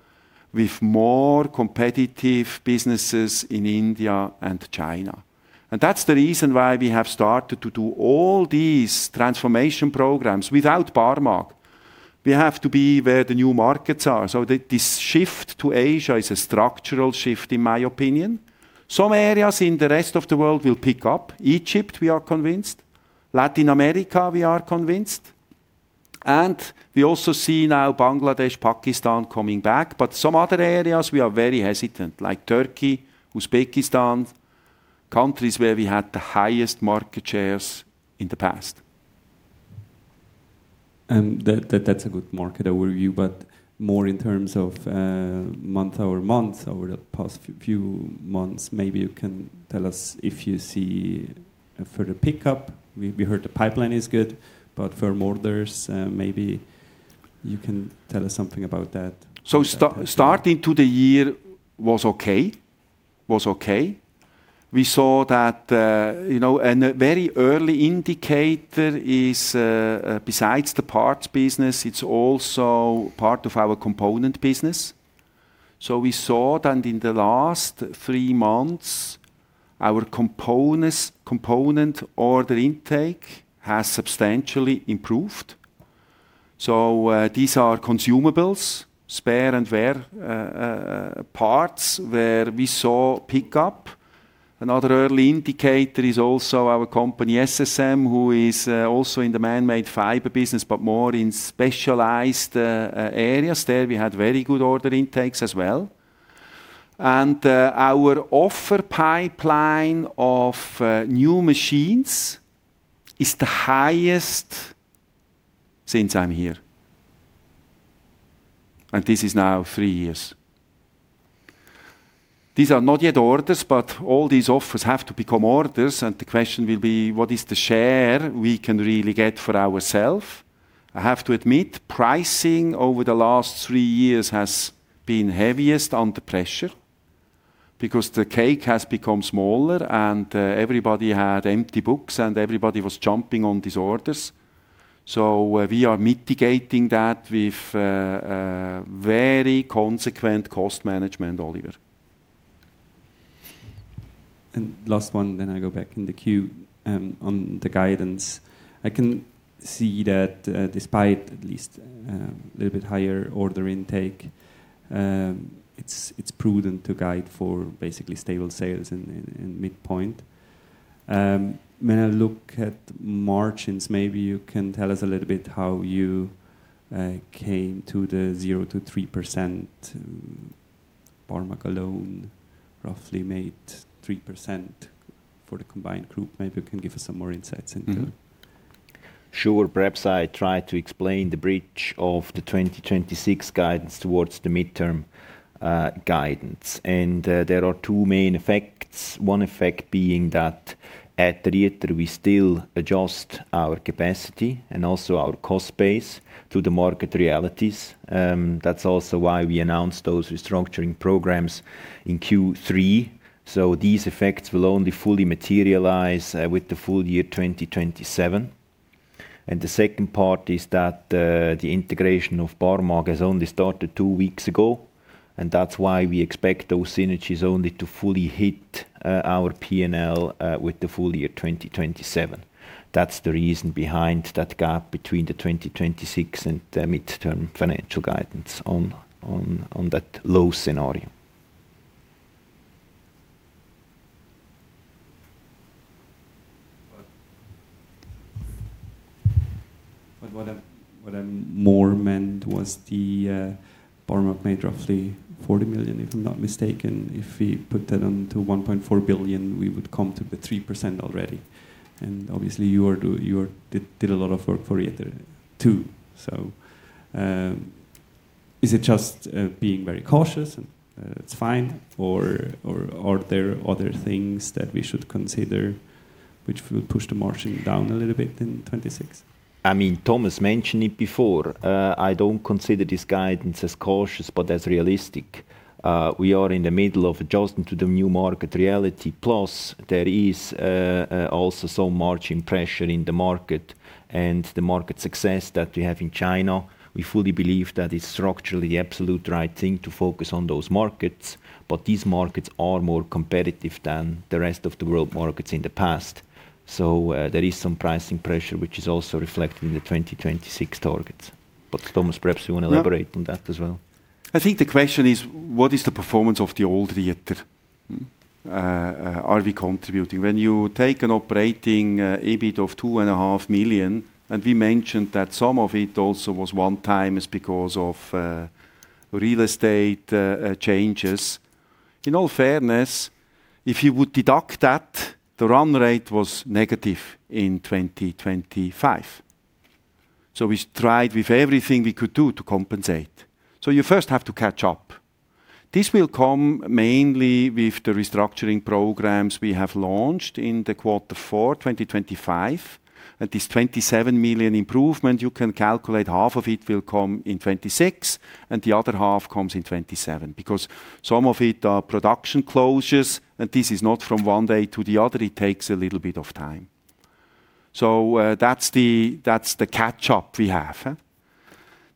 A: with more competitive businesses in India and China. That's the reason why we have started to do all these transformation programs. Without Barmag, we have to be where the new markets are. This shift to Asia is a structural shift, in my opinion. Some areas in the rest of the world will pick up. Egypt, we are convinced; Latin America, we are convinced, and we also see now Bangladesh, Pakistan coming back. Some other areas, we are very hesitant, like Turkey, Uzbekistan, countries where we had the highest market shares in the past.
D: That's a good market overview, but more in terms of, month-over-month, over the past few months, maybe you can tell us if you see a further pickup? We heard the pipeline is good, but firm orders, maybe you can tell us something about that?
A: Starting to the year was okay. Was okay. We saw that, you know, a very early indicator is besides the parts business, it's also part of our component business. We saw that in the last three months, our component order intake has substantially improved. These are consumables, spare and wear parts, where we saw pickup. Another early indicator is also our company, SSM, who is also in the man-made fiber business, but more in specialized areas. There, we had very good order intakes as well. Our offer pipeline of new machines is the highest since I'm here, and this is now three years. These are not yet orders, but all these offers have to become orders, and the question will be: What is the share we can really get for ourself? I have to admit, pricing over the last three years has been heaviest under pressure. Because the cake has become smaller, and everybody had empty books, and everybody was jumping on these orders. We are mitigating that with very consequent cost management, Oliver.
D: Last one, then I go back in the queue. On the guidance, I can see that, despite at least, a little bit higher order intake, it's prudent to guide for basically stable sales in midpoint. I look at margins, maybe you can tell us a little bit how you came to the 0%-3%. Barmag alone roughly made 3% for the combined group. Maybe you can give us some more insights into.
B: Mm-hmm. Sure. Perhaps I try to explain the bridge of the 2026 guidance towards the midterm guidance. There are two main effects. One effect being that at Rieter, we still adjust our capacity and also our cost base to the market realities. That's also why we announced those restructuring programs in Q3. These effects will only fully materialise with the full year 2027. The second part is that the integration of Barmag has only started two weeks ago, and that's why we expect those synergies only to fully hit our P&L with the full year 2027. That's the reason behind that gap between the 2026 and the midterm financial guidance on that low scenario.
D: What I more meant was the Barmag made roughly 40 million, if I'm not mistaken. If we put that onto 1.4 billion, we would come to the 3% already. Obviously, you did a lot of work for Rieter, too. Is it just being very cautious, and it's fine, or are there other things that we should consider which will push the margin down a little bit in 2026?
B: I mean, Thomas mentioned it before. I don't consider this guidance as cautious, but as realistic. We are in the middle of adjusting to the new market reality. Plus, there is also some margin pressure in the market and the market success that we have in China. We fully believe that it's structurally the absolute right thing to focus on those markets, but these markets are more competitive than the rest of the world markets in the past. There is some pricing pressure, which is also reflected in the 2026 targets. Thomas, perhaps you want to elaborate on that as well.
A: I think the question is, what is the performance of the old Rieter? Are we contributing? When you take an operating EBIT of two and a half million, and we mentioned that some of it also was one-time is because of real estate changes. In all fairness, if you would deduct that, the run rate was negative in 2025. We tried with everything we could do to compensate. You first have to catch up. This will come mainly with the restructuring programs we have launched in the quarter four, 2025. This 27 million improvement, you can calculate, half of it will come in 2026, and the other half comes in 2027. Some of it are production closures, and this is not from one day to the other. It takes a little bit of time. That's the catch-up we have, huh.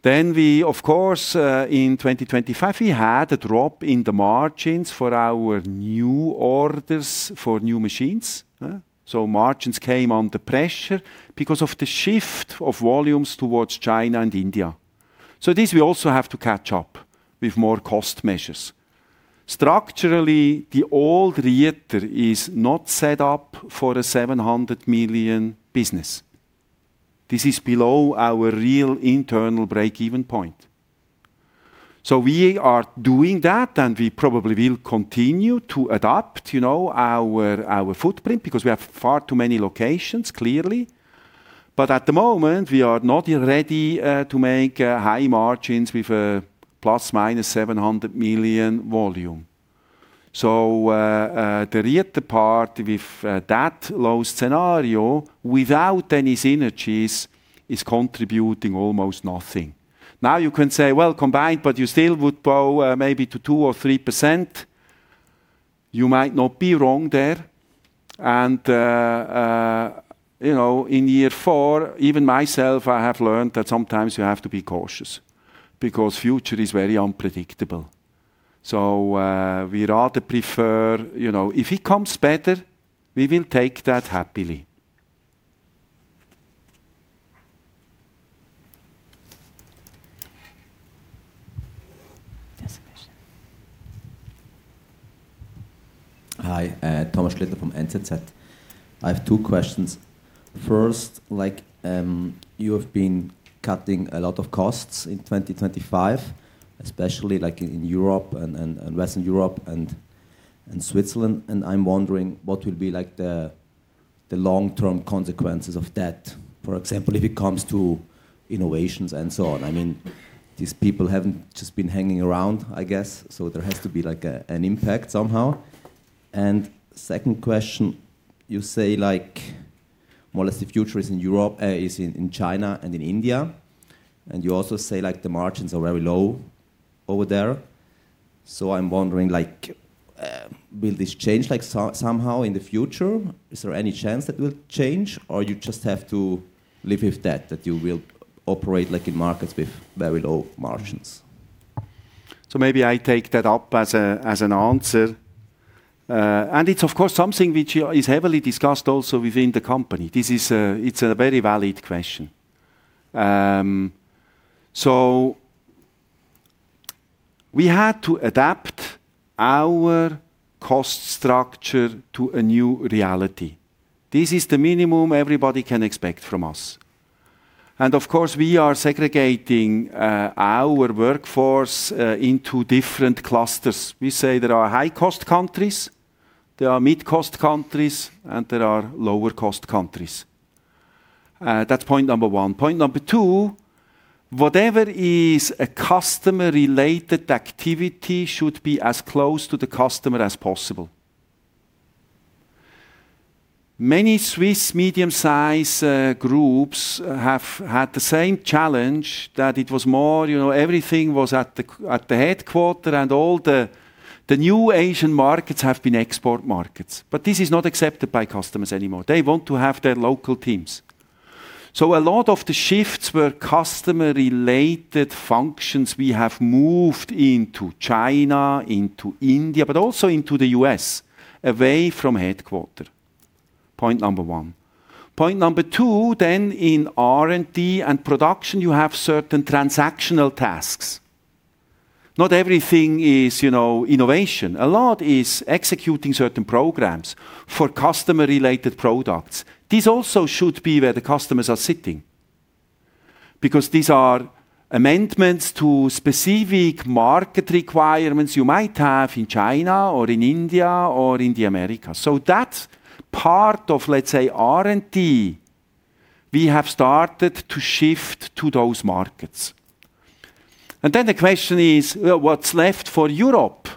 A: We, of course, in 2025, we had a drop in the margins for our new orders for new machines, huh. Margins came under pressure because of the shift of volumes towards China and India. This, we also have to catch up with more cost measures. Structurally, the old Rieter is not set up for a 700 million business. This is below our real internal break-even point. We are doing that, and we probably will continue to adapt, you know, our footprint, because we have far too many locations, clearly. At the moment, we are not yet ready to make high margins with a ±700 million volume. The Rieter part, with that low scenario, without any synergies, is contributing almost nothing. You can say, "Well, combined, but you still would grow, maybe to 2% or 3%." You might not be wrong there. You know, in year four, even myself, I have learned that sometimes you have to be cautious because future is very unpredictable. We rather prefer, you know, if it comes better, we will take that happily.
C: Next question.
E: Hi, Thomas Schürch from NZZ. I have two questions. First, like, you have been cutting a lot of costs in 2025, especially like in Europe and Western Europe and Switzerland. I'm wondering what will be like the long-term consequences of that, for example, if it comes to innovations and so on. I mean, these people haven't just been hanging around, I guess. There has to be like an impact somehow. Second question, you say, like more or less the future is in Europe, is in China and in India. You also say, like, the margins are very low over there. I'm wondering, like, will this change, like, somehow in the future? Is there any chance that will change, or you just have to live with that you will operate like in markets with very low margins?
A: Maybe I take that up as an answer. It's of course, something which is heavily discussed also within the company. It's a very valid question. We had to adapt our cost structure to a new reality. This is the minimum everybody can expect from us. Of course, we are segregating our workforce into different clusters. We say there are high-cost countries, there are mid-cost countries, and there are lower-cost countries. That's point number one. Point number two, whatever is a customer-related activity should be as close to the customer as possible. Many Swiss medium-size groups have had the same challenge, that it was more, you know, everything was at the headquarter, and all the new Asian markets have been export markets. This is not accepted by customers anymore. They want to have their local teams. A lot of the shifts were customer-related functions we have moved into China, into India, but also into the U.S., away from headquarter. Point number one. Point number two, In R&D and production, you have certain transactional tasks. Not everything is, you know, innovation. A lot is executing certain programs for customer-related products. This also should be where the customers are sitting, because these are amendments to specific market requirements you might have in China or in India or in the Americas. That part of, let's say, R&D, we have started to shift to those markets. The question is, well, what's left for Europe?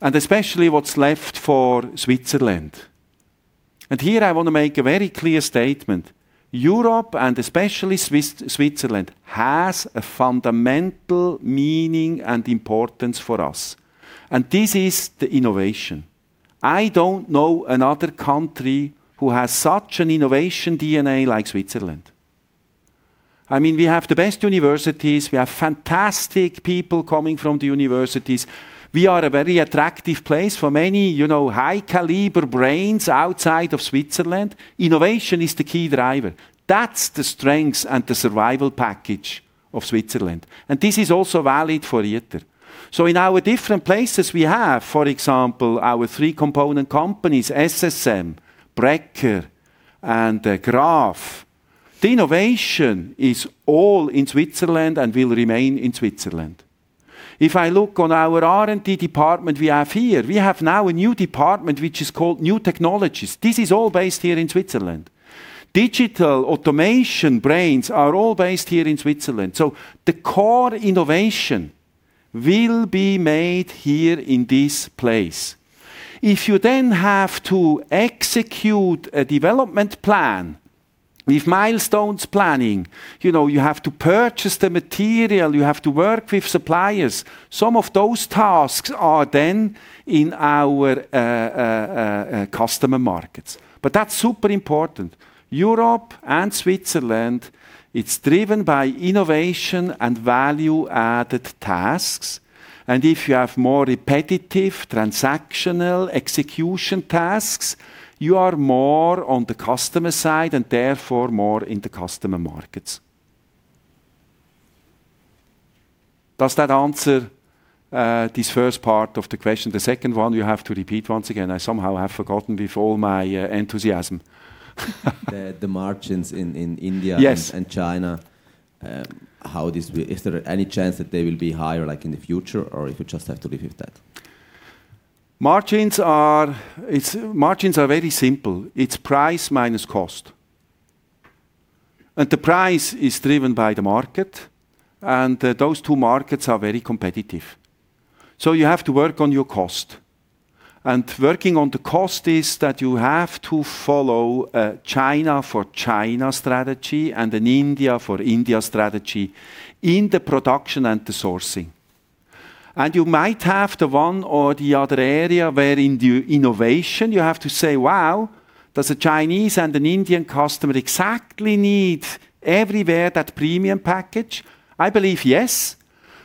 A: Especially, what's left for Switzerland? Here I want to make a very clear statement: Europe, and especially Switzerland, has a fundamental meaning and importance for us, and this is the innovation. I don't know another country who has such an innovation DNA like Switzerland. I mean, we have the best universities, we have fantastic people coming from the universities. We are a very attractive place for many, you know, high-caliber brains outside of Switzerland. Innovation is the key driver. That's the strength and the survival package of Switzerland, and this is also valid for Rieter. In our different places, we have, for example, our three component companies, SSM, Bräcker, and Graf. The innovation is all in Switzerland and will remain in Switzerland. If I look on our R&D department we have here, we have now a new department which is called New Technologies. This is all based here in Switzerland. Digital automation brains are all based here in Switzerland, so the core innovation will be made here in this place. If you then have to execute a development plan with milestones planning, you know, you have to purchase the material, you have to work with suppliers. Some of those tasks are then in our customer markets. That's super important. Europe and Switzerland, it's driven by innovation and value-added tasks, and if you have more repetitive, transactional execution tasks, you are more on the customer side and therefore more in the customer markets. Does that answer this first part of the question? The second one, you have to repeat once again. I somehow have forgotten with all my enthusiasm.
E: The margins in India.
A: Yes
E: And China, Is there any chance that they will be higher, like, in the future, or you just have to live with that?
A: Margins are very simple. It's price minus cost, and the price is driven by the market, and those two markets are very competitive. You have to work on your cost. Working on the cost is that you have to follow a China for China strategy and an India for India strategy in the production and the sourcing. You might have the one or the other area where in the innovation, you have to say, "Wow, does a Chinese and an Indian customer exactly need everywhere that premium package?" I believe yes,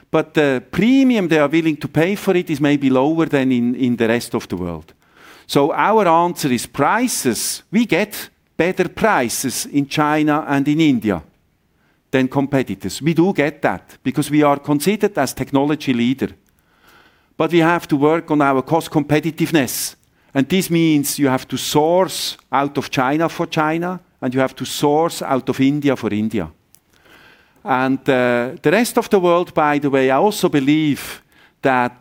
A: but the premium they are willing to pay for it is maybe lower than in the rest of the world. Our answer is prices. We get better prices in China and in India than competitors. We do get that because we are considered as technology leader, but we have to work on our cost competitiveness, and this means you have to source out of China for China, and you have to source out of India for India. The rest of the world, by the way, I also believe that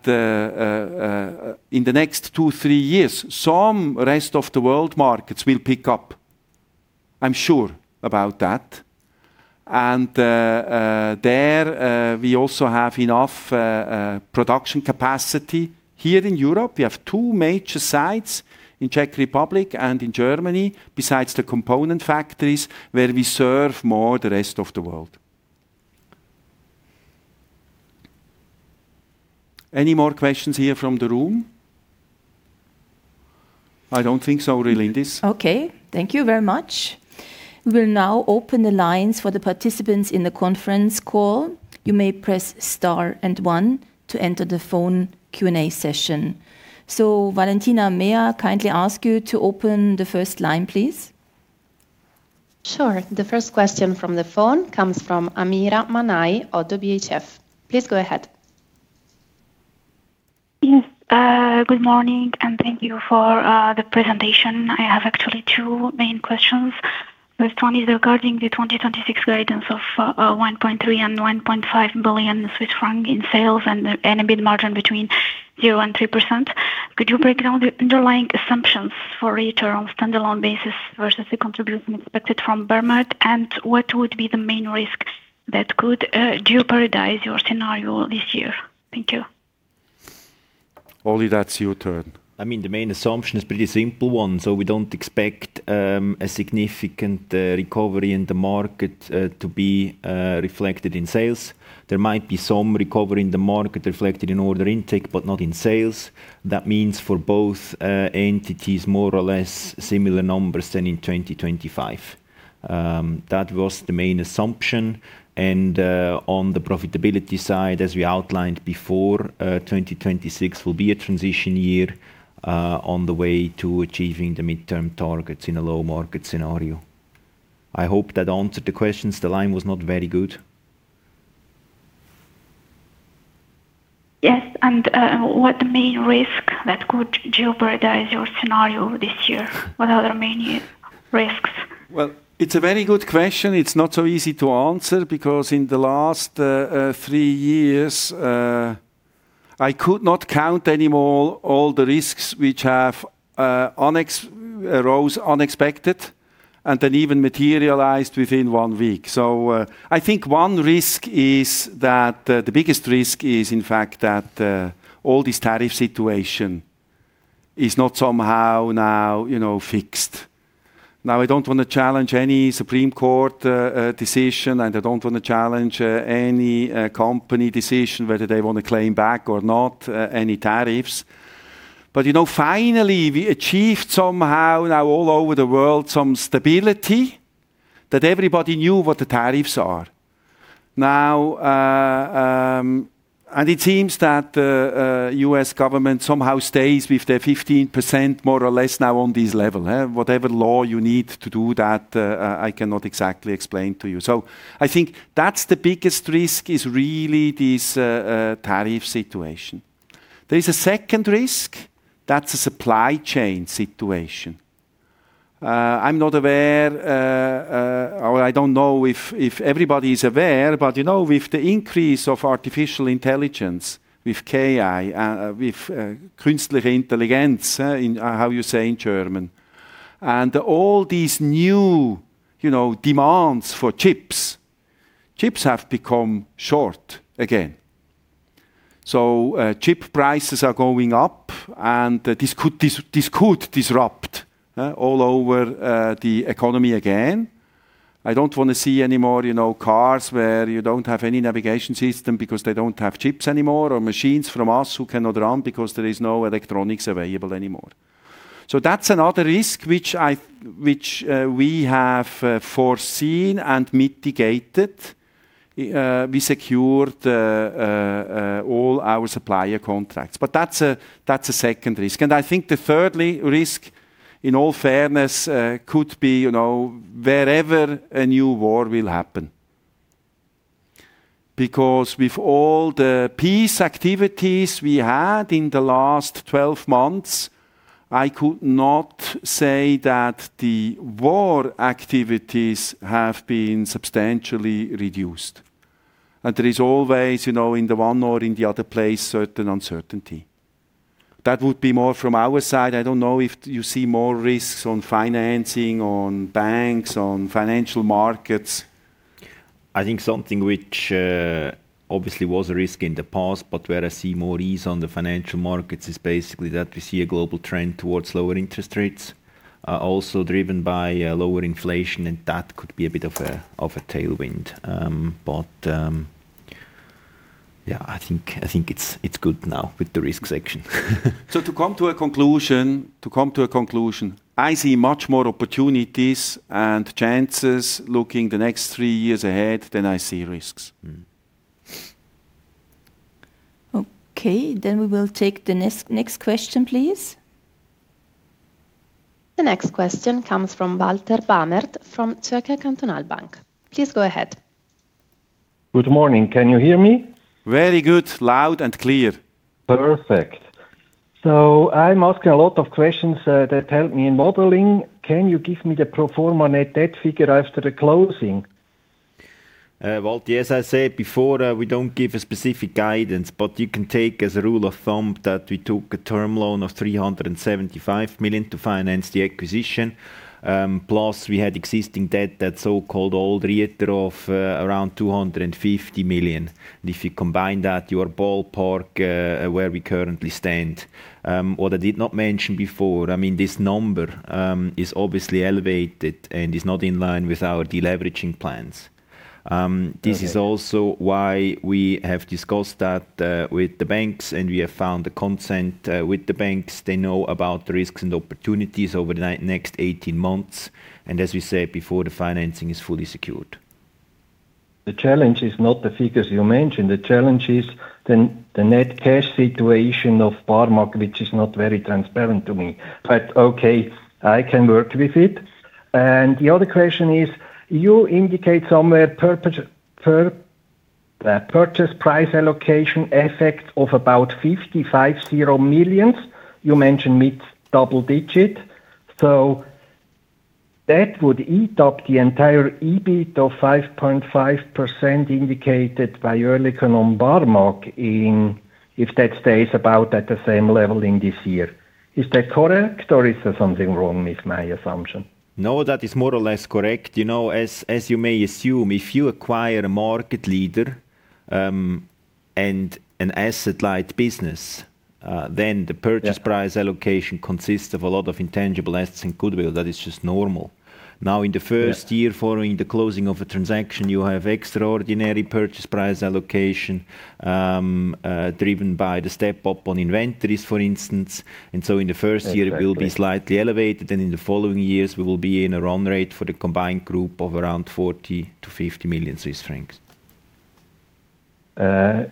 A: in the next two, three years, some rest of the world markets will pick up. I'm sure about that. There, we also have enough production capacity here in Europe. We have two major sites, in Czech Republic and in Germany, besides the component factories, where we serve more the rest of the world. Any more questions here from the room? I don't think so, really, this.
C: Okay, thank you very much. We will now open the lines for the participants in the conference call. You may press star and one to enter the phone Q&A session. Valentina Mayer, kindly ask you to open the first line, please. Sure. The first question from the phone comes from Amira Manai of ODDO BHF. Please go ahead.
F: Yes, good morning, and thank you for the presentation. I have actually two main questions. The first one is regarding the 2026 guidance of 1.3 billion-1.5 billion Swiss francs in sales and a mid margin between 0% and 3%. Could you break down the underlying assumptions for return on standalone basis versus the contribution expected from Barmag? What would be the main risk that could jeopardize your scenario this year? Thank you.
A: Oli, that's your turn.
B: I mean, the main assumption is pretty simple one. We don't expect a significant recovery in the market to be reflected in sales. There might be some recovery in the market reflected in order intake, but not in sales. That means for both entities, more or less similar numbers than in 2025. That was the main assumption. On the profitability side, as we outlined before, 2026 will be a transition year on the way to achieving the midterm targets in a low market scenario. I hope that answered the questions. The line was not very good.
F: Yes, and what the main risk that could jeopardize your scenario this year? What are the main risks?
A: Well, it's a very good question. It's not so easy to answer because in the last three years, I could not count anymore all the risks which have arose unexpected and then even materialized within one week. I think one risk is that the biggest risk is, in fact, that all this tariff situation is not somehow now, you know, fixed. Now, I don't want to challenge any Supreme Court decision, and I don't want to challenge any company decision, whether they want to claim back or not any tariffs. You know, finally, we achieved somehow now all over the world, some stability, that everybody knew what the tariffs are. Now, it seems that the U.S. government somehow stays with their 15% more or less now on this level. Whatever law you need to do that, I cannot exactly explain to you. I think that's the biggest risk, is really this tariff situation. There is a second risk, that's a supply chain situation. I'm not aware, or I don't know if everybody is aware, but, you know, with the increase of artificial intelligence, with AI, with künstliche Intelligenz, in how you say in German, and all these new, you know, demands for chips have become short again. Chip prices are going up and this could disrupt all over the economy again. I don't want to see any more, you know, cars where you don't have any navigation system because they don't have chips anymore, or machines from us who cannot run because there is no electronics available anymore. That's another risk which we have foreseen and mitigated. We secured all our supplier contracts. That's a second risk. I think the thirdly risk, in all fairness, could be, you know, wherever a new war will happen. With all the peace activities we had in the last 12 months, I could not say that the war activities have been substantially reduced. There is always, you know, in the one or in the other place, certain uncertainty. That would be more from our side. I don't know if you see more risks on financing, on banks, on financial markets.
B: I think something which, obviously was a risk in the past, but where I see more ease on the financial markets, is basically that we see a global trend towards lower interest rates, also driven by, lower inflation, and that could be a bit of a, of a tailwind. Yeah, I think it's good now with the risk section.
A: To come to a conclusion, I see much more opportunities and chances looking the next three years ahead than I see risks.
B: Mm-hmm.
C: Okay, we will take the next question, please. The next question comes from Walter Bamert, from Zürcher Kantonalbank. Please go ahead.
G: Good morning. Can you hear me?
A: Very good. Loud and clear.
G: Perfect. I'm asking a lot of questions, that help me in modeling. Can you give me the pro forma net debt figure after the closing?
B: Well, as I said before, we don't give a specific guidance, but you can take as a rule of thumb that we took a term loan of 375 million to finance the acquisition. Plus we had existing debt, that so-called old rate of around 250 million. If you combine that, you are ballpark where we currently stand. What I did not mention before, this number is obviously elevated and is not in line with our deleveraging plans. This is also why we have discussed that with the banks, and we have found a consent with the banks. They know about the risks and opportunities over the next 18 months, and as we said before, the financing is fully secured.
G: The challenge is not the figures you mentioned. The challenge is the net cash situation of Barmag, which is not very transparent to me. Okay, I can work with it. The other question is, you indicate somewhere purchase price allocation effect of about 550 million. You mentioned mid- double digit, so that would eat up the entire EBIT of 5.5% indicated by Oerlikon on Barmag in, if that stays about at the same level in this year. Is that correct, or is there something wrong with my assumption?
B: No, that is more or less correct. You know, as you may assume, if you acquire a market leader, and an asset-light business, then purchase price allocation consists of a lot of intangible assets and goodwill. That is just normal. Now in the first year following the closing of a transaction, you have extraordinary purchase price allocation, driven by the step-up on inventories, for instance, and so in the first year. It will be slightly elevated, and in the following years, we will be in a run rate for the combined group of around 40 million-50 million Swiss francs.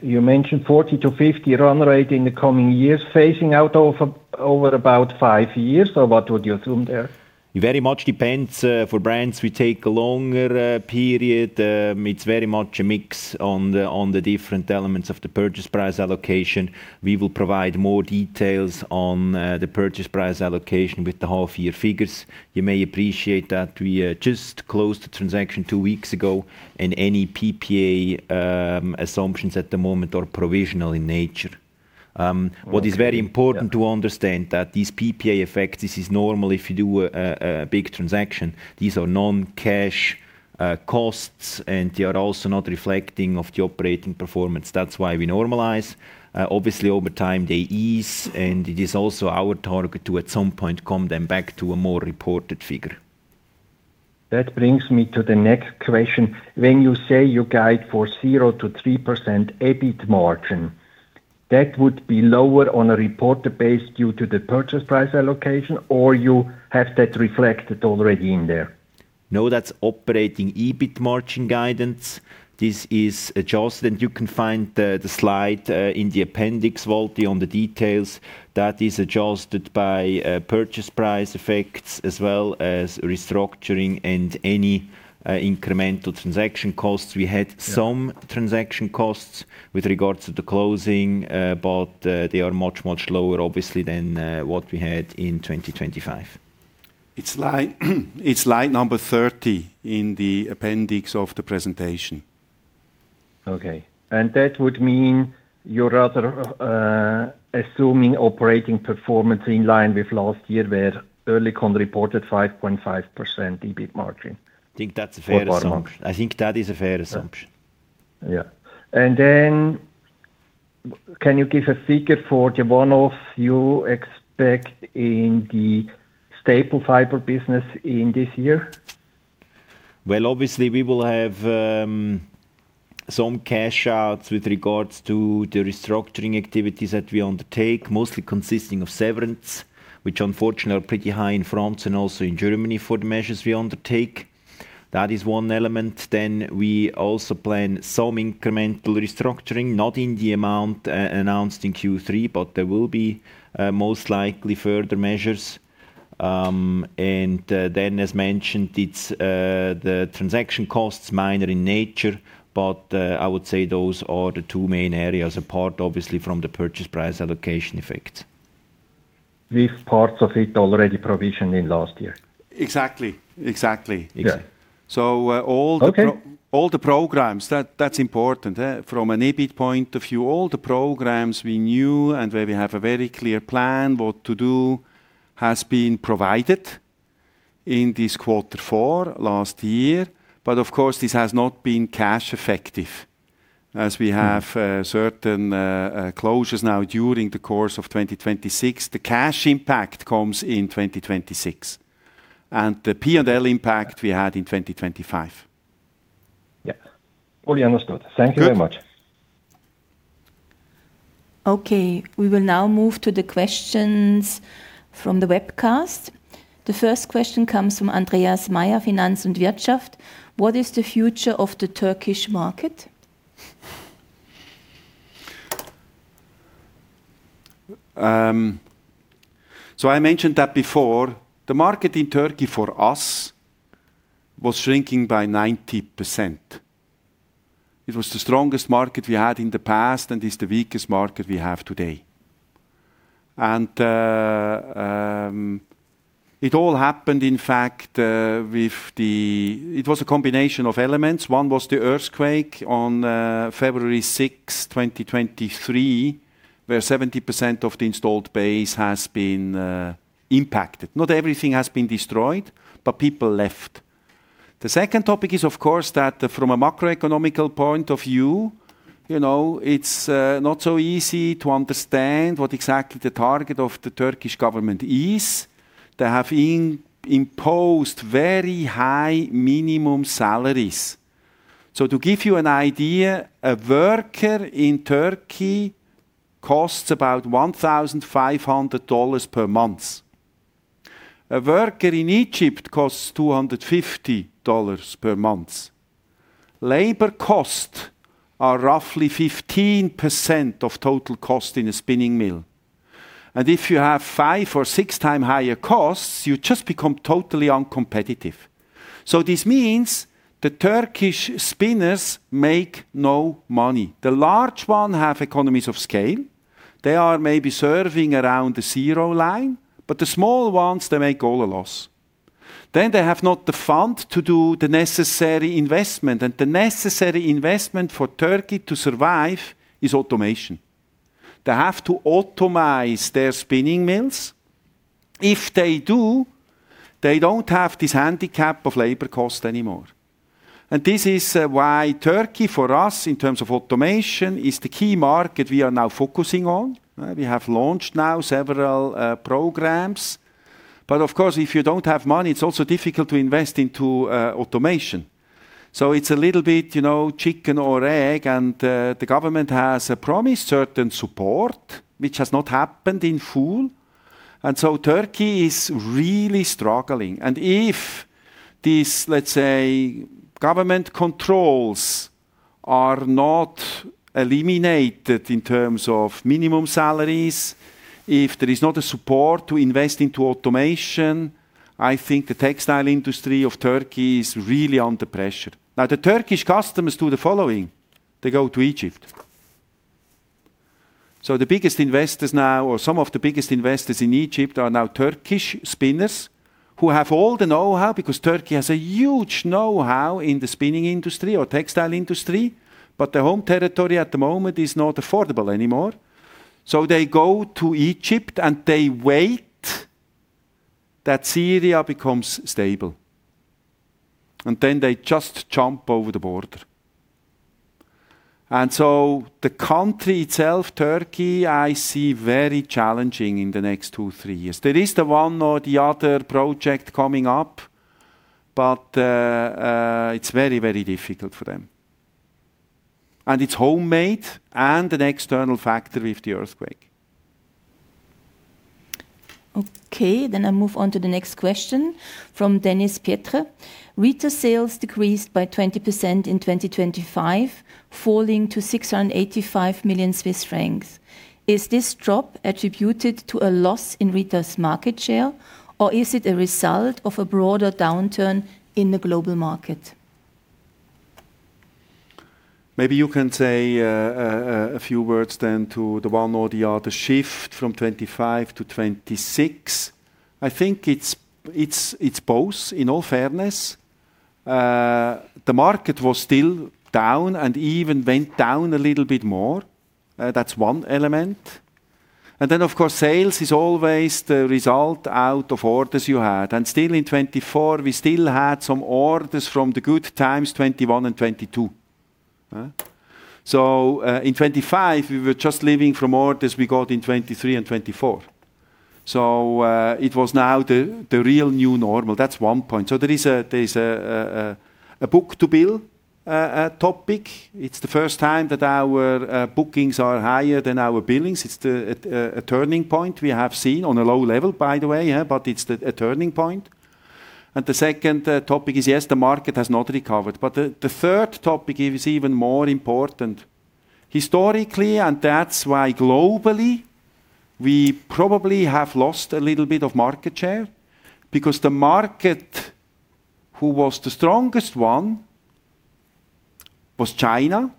G: You mentioned 40-50 run rate in the coming years, phasing out over about 5 years, or what would you assume there?
B: It very much depends. For brands, we take a longer period. It's very much a mix on the different elements of the purchase price allocation. We will provide more details on the purchase price allocation with the half-year figures. You may appreciate that we just closed the transaction two weeks ago. Any PPA assumptions at the moment are provisional in nature. What is very important to understand that these PPA effects, this is normal if you do a big transaction. These are non-cash costs, and they are also not reflecting of the operating performance. That's why we normalize. Obviously, over time, they ease, and it is also our target to, at some point, come them back to a more reported figure.
G: That brings me to the next question. When you say you guide for 0%-3% EBIT margin, that would be lower on a reported base due to the purchase price allocation, or you have that reflected already in there?
B: No, that's operating EBIT margin guidance. This is adjusted, and you can find the slide in the appendix, Walti, on the details. That is adjusted by purchase price effects, as well as restructuring and any incremental transaction costs some transaction costs with regards to the closing. They are much, much lower obviously than what we had in 2025.
A: It's slide number 30 in the appendix of the presentation.
G: Okay. That would mean you're rather assuming operating performance in line with last year, where Oerlikon reported 5.5% EBIT margin.
B: I think that's a fair assumption.
G: For Barmag.
B: I think that is a fair assumption.
G: Yeah. Can you give a figure for the one-off you expect in the staple fiber business in this year?
B: Obviously, we will have some cash outs with regards to the restructuring activities that we undertake, mostly consisting of severance, which unfortunately are pretty high in France and also in Germany for the measures we undertake. That is one element. We also plan some incremental restructuring, not in the amount announced in Q3, but there will be most likely, further measures. Then, as mentioned, it's the transaction costs, minor in nature, but I would say those are the two main areas, apart obviously from the purchase price allocation effect.
G: With parts of it already provisioned in last year?
A: Exactly.
B: Yeah.
A: So, uh, all the-
G: Okay
A: All the programs, that's important, from an EBIT point of view, all the programs we knew and where we have a very clear plan, what to do, has been provided in this quarter four last year. Of course, this has not been cash effective, as we have a certain, closures now during the course of 2026. The cash impact comes in 2026, and the P&L impact we had in 2025.
G: Yeah. Fully understood.
A: Good.
G: Thank you very much.
C: Okay, we will now move to the questions from the webcast. The first question comes from Andreas Meier, Finanz und Wirtschaft: What is the future of the Turkish market?
A: I mentioned that before. The market in Turkey for us was shrinking by 90%. It was the strongest market we had in the past, and is the weakest market we have today. It was a combination of elements. One was the earthquake on February 6th, 2023, where 70% of the installed base has been impacted. Not everything has been destroyed, but people left. The second topic is, of course, that from a macroeconomic point of view, you know, it's not so easy to understand what exactly the target of the Turkish government is. They have imposed very high minimum salaries. To give you an idea, a worker in Turkey costs about $1,500 per month. A worker in Egypt costs $250 per month. Labor costs are roughly 15% of total cost in a spinning mill, if you have 5x or 6x higher costs, you just become totally uncompetitive. This means the Turkish spinners make no money. The large one have economies of scale. They are maybe serving around the zero line, but the small ones, they make all a loss. They have not the fund to do the necessary investment, the necessary investment for Turkey to survive is automation. They have to automize their spinning mills. If they do, they don't have this handicap of labor cost anymore. This is why Turkey, for us, in terms of automation, is the key market we are now focusing on. We have launched now several programs. Of course, if you don't have money, it's also difficult to invest into automation. It's a little bit, you know, chicken or egg, the government has promised certain support, which has not happened in full, Turkey is really struggling. If these, let's say, government controls are not eliminated in terms of minimum salaries, if there is not a support to invest into automation, I think the textile industry of Turkey is really under pressure. The Turkish customers do the following: they go to Egypt. The biggest investors now, or some of the biggest investors in Egypt, are now Turkish spinners who have all the know-how, because Turkey has a huge know-how in the spinning industry or textile industry, their home territory at the moment is not affordable anymore. They go to Egypt, and they wait that Syria becomes stable, and then they just jump over the border. The country itself, Turkey, I see very challenging in the next two, three years. There is the one or the other project coming up, but it's very, very difficult for them, and it's homemade and an external factor with the earthquake.
C: I move on to the next question from Denis Petrat. Rieter sales decreased by 20% in 2025, falling to 685 million Swiss francs. Is this drop attributed to a loss in Rieter's market share, or is it a result of a broader downturn in the global market?
A: Maybe you can say a few words then to the one or the other shift from 2025-2026. I think it's both, in all fairness. The market was still down and even went down a little bit more. That's one element. Then, of course, sales is always the result out of orders you had. Still in 2024, we still had some orders from the good times, 2021 and 2022. In 2025, we were just leaving from orders we got in 2023 and 2024. It was now the real new normal. That's one point. There is a book-to-bill topic. It's the first time that our bookings are higher than our billings. It's the a turning point we have seen on a low level, by the way, yeah. But it's the a turning point. The second topic is, yes, the market has not recovered, but the third topic is even more important. Historically, and that's why globally, we probably have lost a little bit of market share, because the market who was the strongest one was China,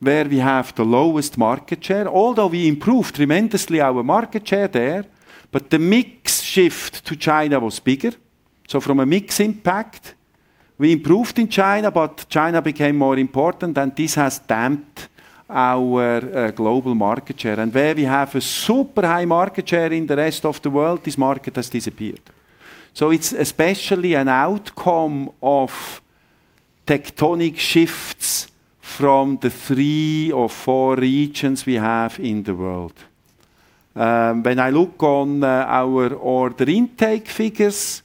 A: where we have the lowest market share. Although we improved tremendously our market share there, but the mix shift to China was bigger. From a mix impact, we improved in China, but China became more important, and this has damped our global market share. Where we have a super high market share in the rest of the world, this market has disappeared. It's especially an outcome of tectonic shifts from the three or four regions we have in the world. When I look on our order intake figures,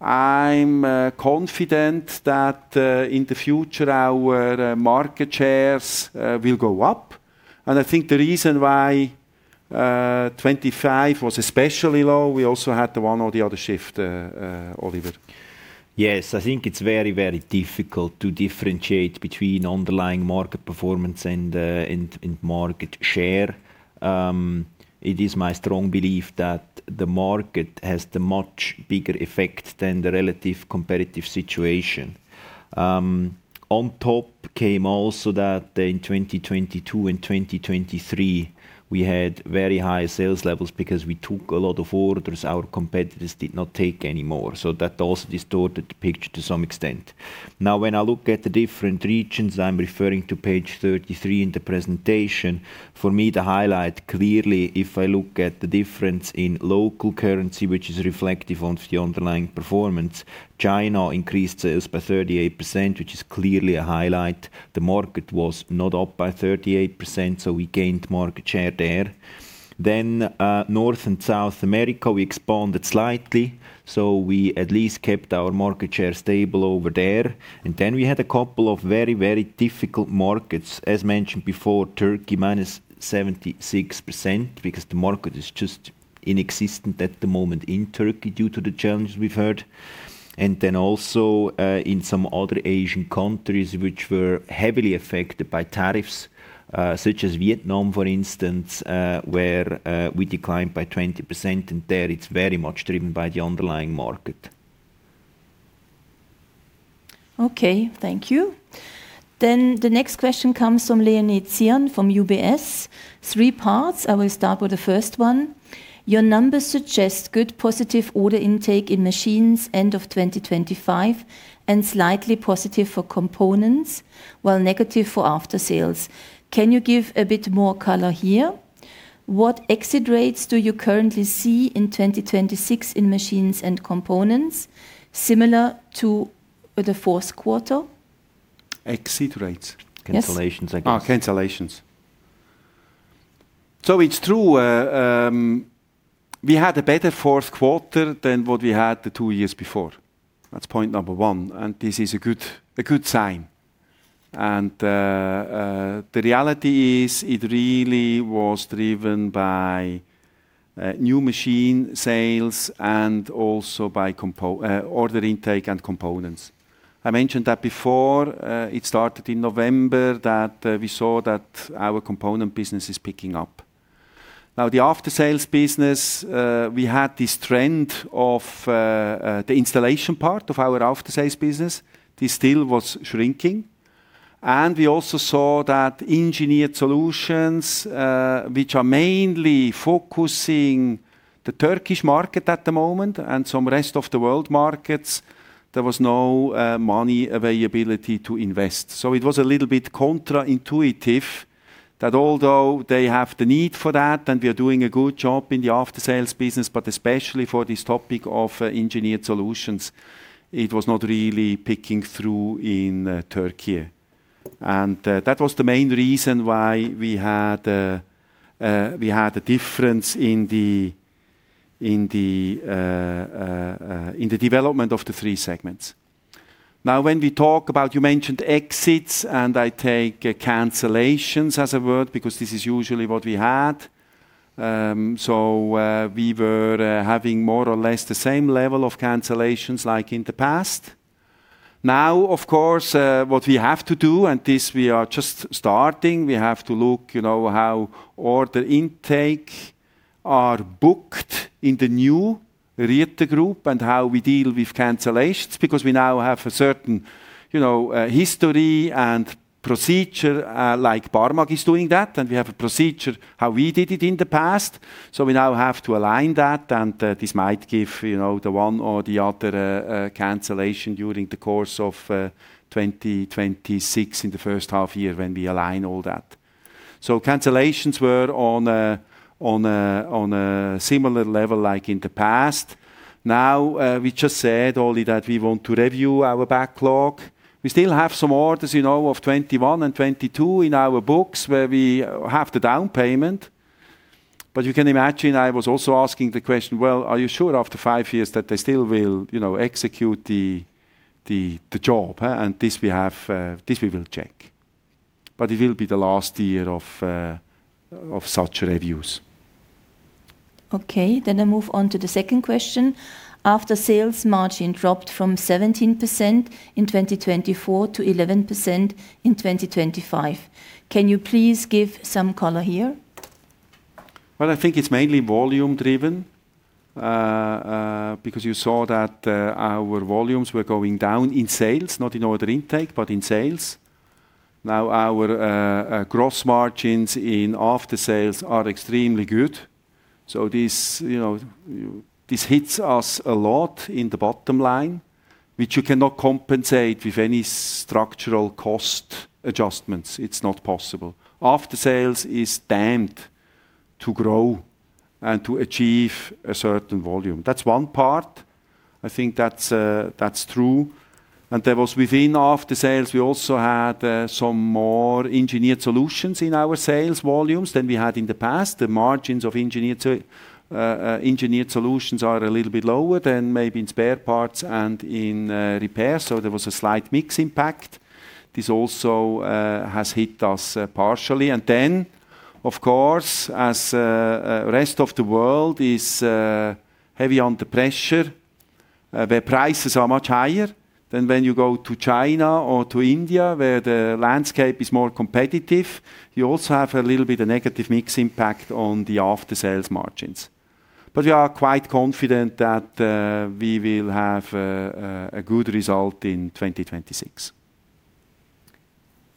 A: I'm confident that in the future, our market shares will go up. I think the reason why 2025 was especially low, we also had the one or the other shift, Oliver.
B: I think it's very, very difficult to differentiate between underlying market performance and, and market share. It is my strong belief that the market has the much bigger effect than the relative competitive situation. On top came also that in 2022 and 2023, we had very high sales levels because we took a lot of orders our competitors did not take anymore, that also distorted the picture to some extent. When I look at the different regions, I'm referring to page 33 in the presentation. For me, the highlight, clearly, if I look at the difference in local currency, which is reflective of the underlying performance, China increased sales by 38%, which is clearly a highlight. The market was not up by 38%, we gained market share there. North and South America, we expanded slightly, so we at least kept our market share stable over there. We had a couple of very, very difficult markets. As mentioned before, Turkey, -76%, because the market is just inexistent at the moment in Turkey due to the challenges we've heard. Also, in some other Asian countries, which were heavily affected by tariffs, such as Vietnam, for instance, where we declined by 20%, and there it's very much driven by the underlying market.
C: Okay, thank you. The next question comes from Leonie Zirn from UBS. Three parts. I will start with the first one. Your numbers suggest good positive order intake in machines end of 2025, and slightly positive for components, while negative for aftersales. Can you give a bit more color here? What exit rates do you currently see in 2026 in machines and components, similar to the fourth quarter? Exit rates? Yes.
B: Cancelations, I guess.
A: Cancelations. It's true, we had a better fourth quarter than what we had the two years before. That's point number one, and this is a good sign. The reality is, it really was driven by new machine sales and also by order intake and components. I mentioned that before, it started in November, that we saw that our component business is picking up. The aftersales business, we had this trend of the installation part of our aftersales business, this still was shrinking. We also saw that engineered solutions, which are mainly focusing the Turkish market at the moment and some rest of the world markets, there was no money availability to invest. It was a little bit contra-intuitive, that although they have the need for that and we are doing a good job in the aftersales business, but especially for this topic of engineered solutions, it was not really picking through in Turkey. That was the main reason why we had a difference in the in the development of the three segments. Now, when we talk about, you mentioned exits, and I take cancellations as a word, because this is usually what we had. We were having more or less the same level of cancellations like in the past. Now, of course, what we have to do, and this we are just starting, we have to look, you know, how order intake are booked in the new Rieter Group and how we deal with cancellations. We now have a certain, you know, history and procedure, like Barmag is doing that, and we have a procedure, how we did it in the past. We now have to align that, and this might give, you know, the one or the other cancellation during the course of 2026, in the first half year, when we align all that. Cancellations were on a similar level, like in the past. We just said only that we want to review our backlog. We still have some orders, you know, of 2021 and 2022 in our books, where we have the down payment. You can imagine, I was also asking the question: "Well, are you sure after five years that they still will, you know, execute the, the job, huh?" This we have, this we will check. It will be the last year of such reviews.
C: Okay, I move on to the second question. After sales margin dropped from 17% in 2024 to 11% in 2025, can you please give some color here?
A: I think it's mainly volume driven because you saw that our volumes were going down in sales, not in order intake, but in sales. Our gross margins in aftersales are extremely good. This, you know, this hits us a lot in the bottom line, which you cannot compensate with any structural cost adjustments. It's not possible. Aftersales is damned to grow and to achieve a certain volume. That's one part. I think that's true, and there was within aftersales, we also had some more engineered solutions in our sales volumes than we had in the past. The margins of engineered solutions are a little bit lower than maybe in spare parts and in repairs, so there was a slight mix impact. This also has hit us partially. Of course, as rest of the world is heavy under pressure, where prices are much higher than when you go to China or to India, where the landscape is more competitive. You also have a little bit of negative mix impact on the after-sales margins. We are quite confident that we will have a good result in 2026.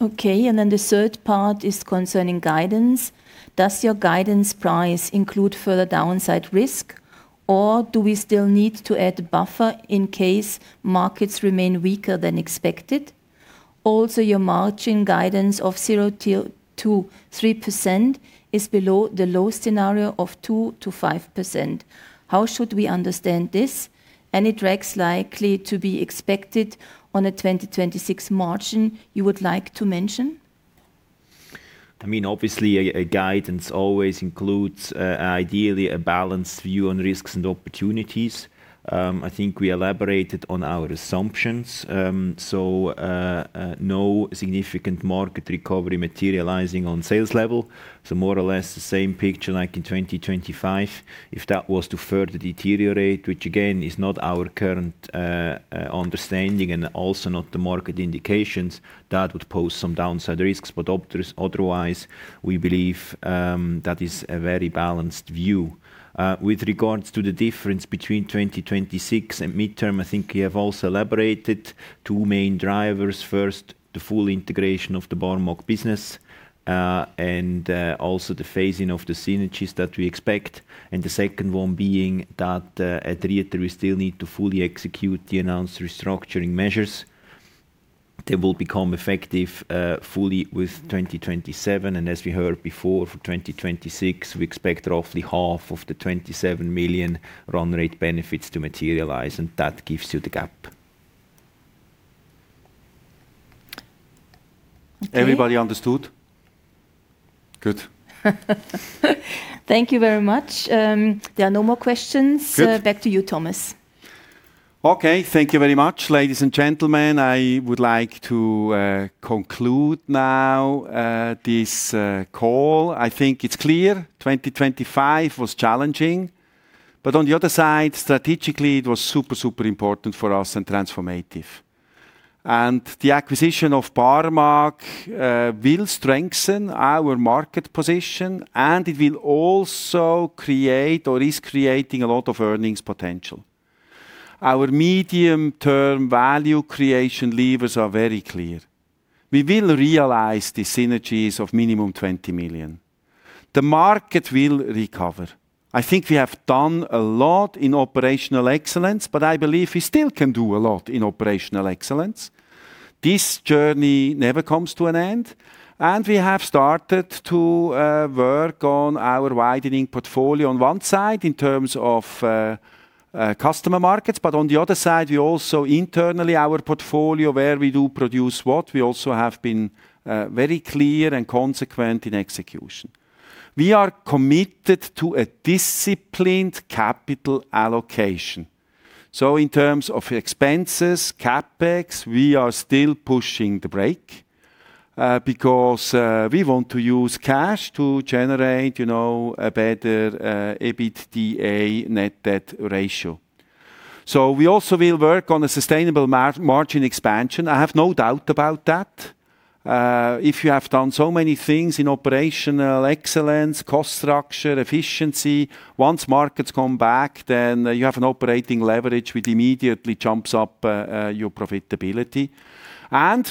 C: Okay, the third part is concerning guidance. Does your guidance price include further downside risk, or do we still need to add buffer in case markets remain weaker than expected? Also, your margin guidance of 0%-3% is below the low scenario of 2%-5%. How should we understand this? Any drags likely to be expected on a 2026 margin you would like to mention?
B: I mean, obviously, a guidance always includes, ideally, a balanced view on risks and opportunities. I think we elaborated on our assumptions. No significant market recovery materializing on sales level, so more or less the same picture like in 2025. If that was to further deteriorate, which again, is not our current understanding and also not the market indications, that would pose some downside risks. Otherwise, we believe that is a very balanced view. With regards to the difference between 2026 and midterm, I think we have also elaborated two main drivers. First, the full integration of the Barmag business and also the phasing of the synergies that we expect. The second one being that, at Rieter, we still need to fully execute the announced restructuring measures. They will become effective, fully with 2027. As we heard before, for 2026, we expect roughly half of the 27 million run rate benefits to materialize. That gives you the gap.
C: Okay.
A: Everybody understood? Good.
C: Thank you very much. There are no more questions.
A: Good.
C: Back to you, Thomas.
A: Okay, thank you very much, ladies and gentlemen. I would like to conclude now this call. I think it's clear 2025 was challenging. On the other side, strategically, it was super important for us and transformative. The acquisition of Barmag will strengthen our market position, and it will also create, or is creating a lot of earnings potential. Our medium-term value creation levers are very clear. We will realize the synergies of minimum 20 million. The market will recover. I think we have done a lot in operational excellence. I believe we still can do a lot in operational excellence. This journey never comes to an end. We have started to work on our widening portfolio on one side, in terms of customer markets. On the other side, we also internally, our portfolio, where we do produce what, we also have been very clear and consequent in execution. We are committed to a disciplined capital allocation. In terms of expenses, CapEx, we are still pushing the brake, because we want to use cash to generate, you know, a better EBITDA net debt ratio. We also will work on a sustainable margin expansion. I have no doubt about that. If you have done so many things in operational excellence, cost structure, efficiency, once markets come back, then you have an operating leverage, which immediately jumps up your profitability.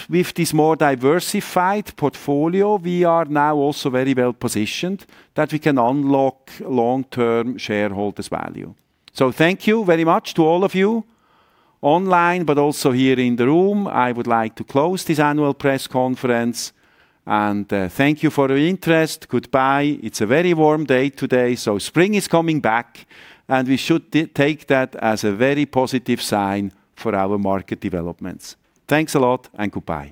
A: With this more diversified portfolio, we are now also very well positioned that we can unlock long-term shareholders value. Thank you very much to all of you online, but also here in the room. I would like to close this annual press conference and thank you for your interest. Goodbye. It's a very warm day today. Spring is coming back, and we should take that as a very positive sign for our market developments. Thanks a lot and goodbye.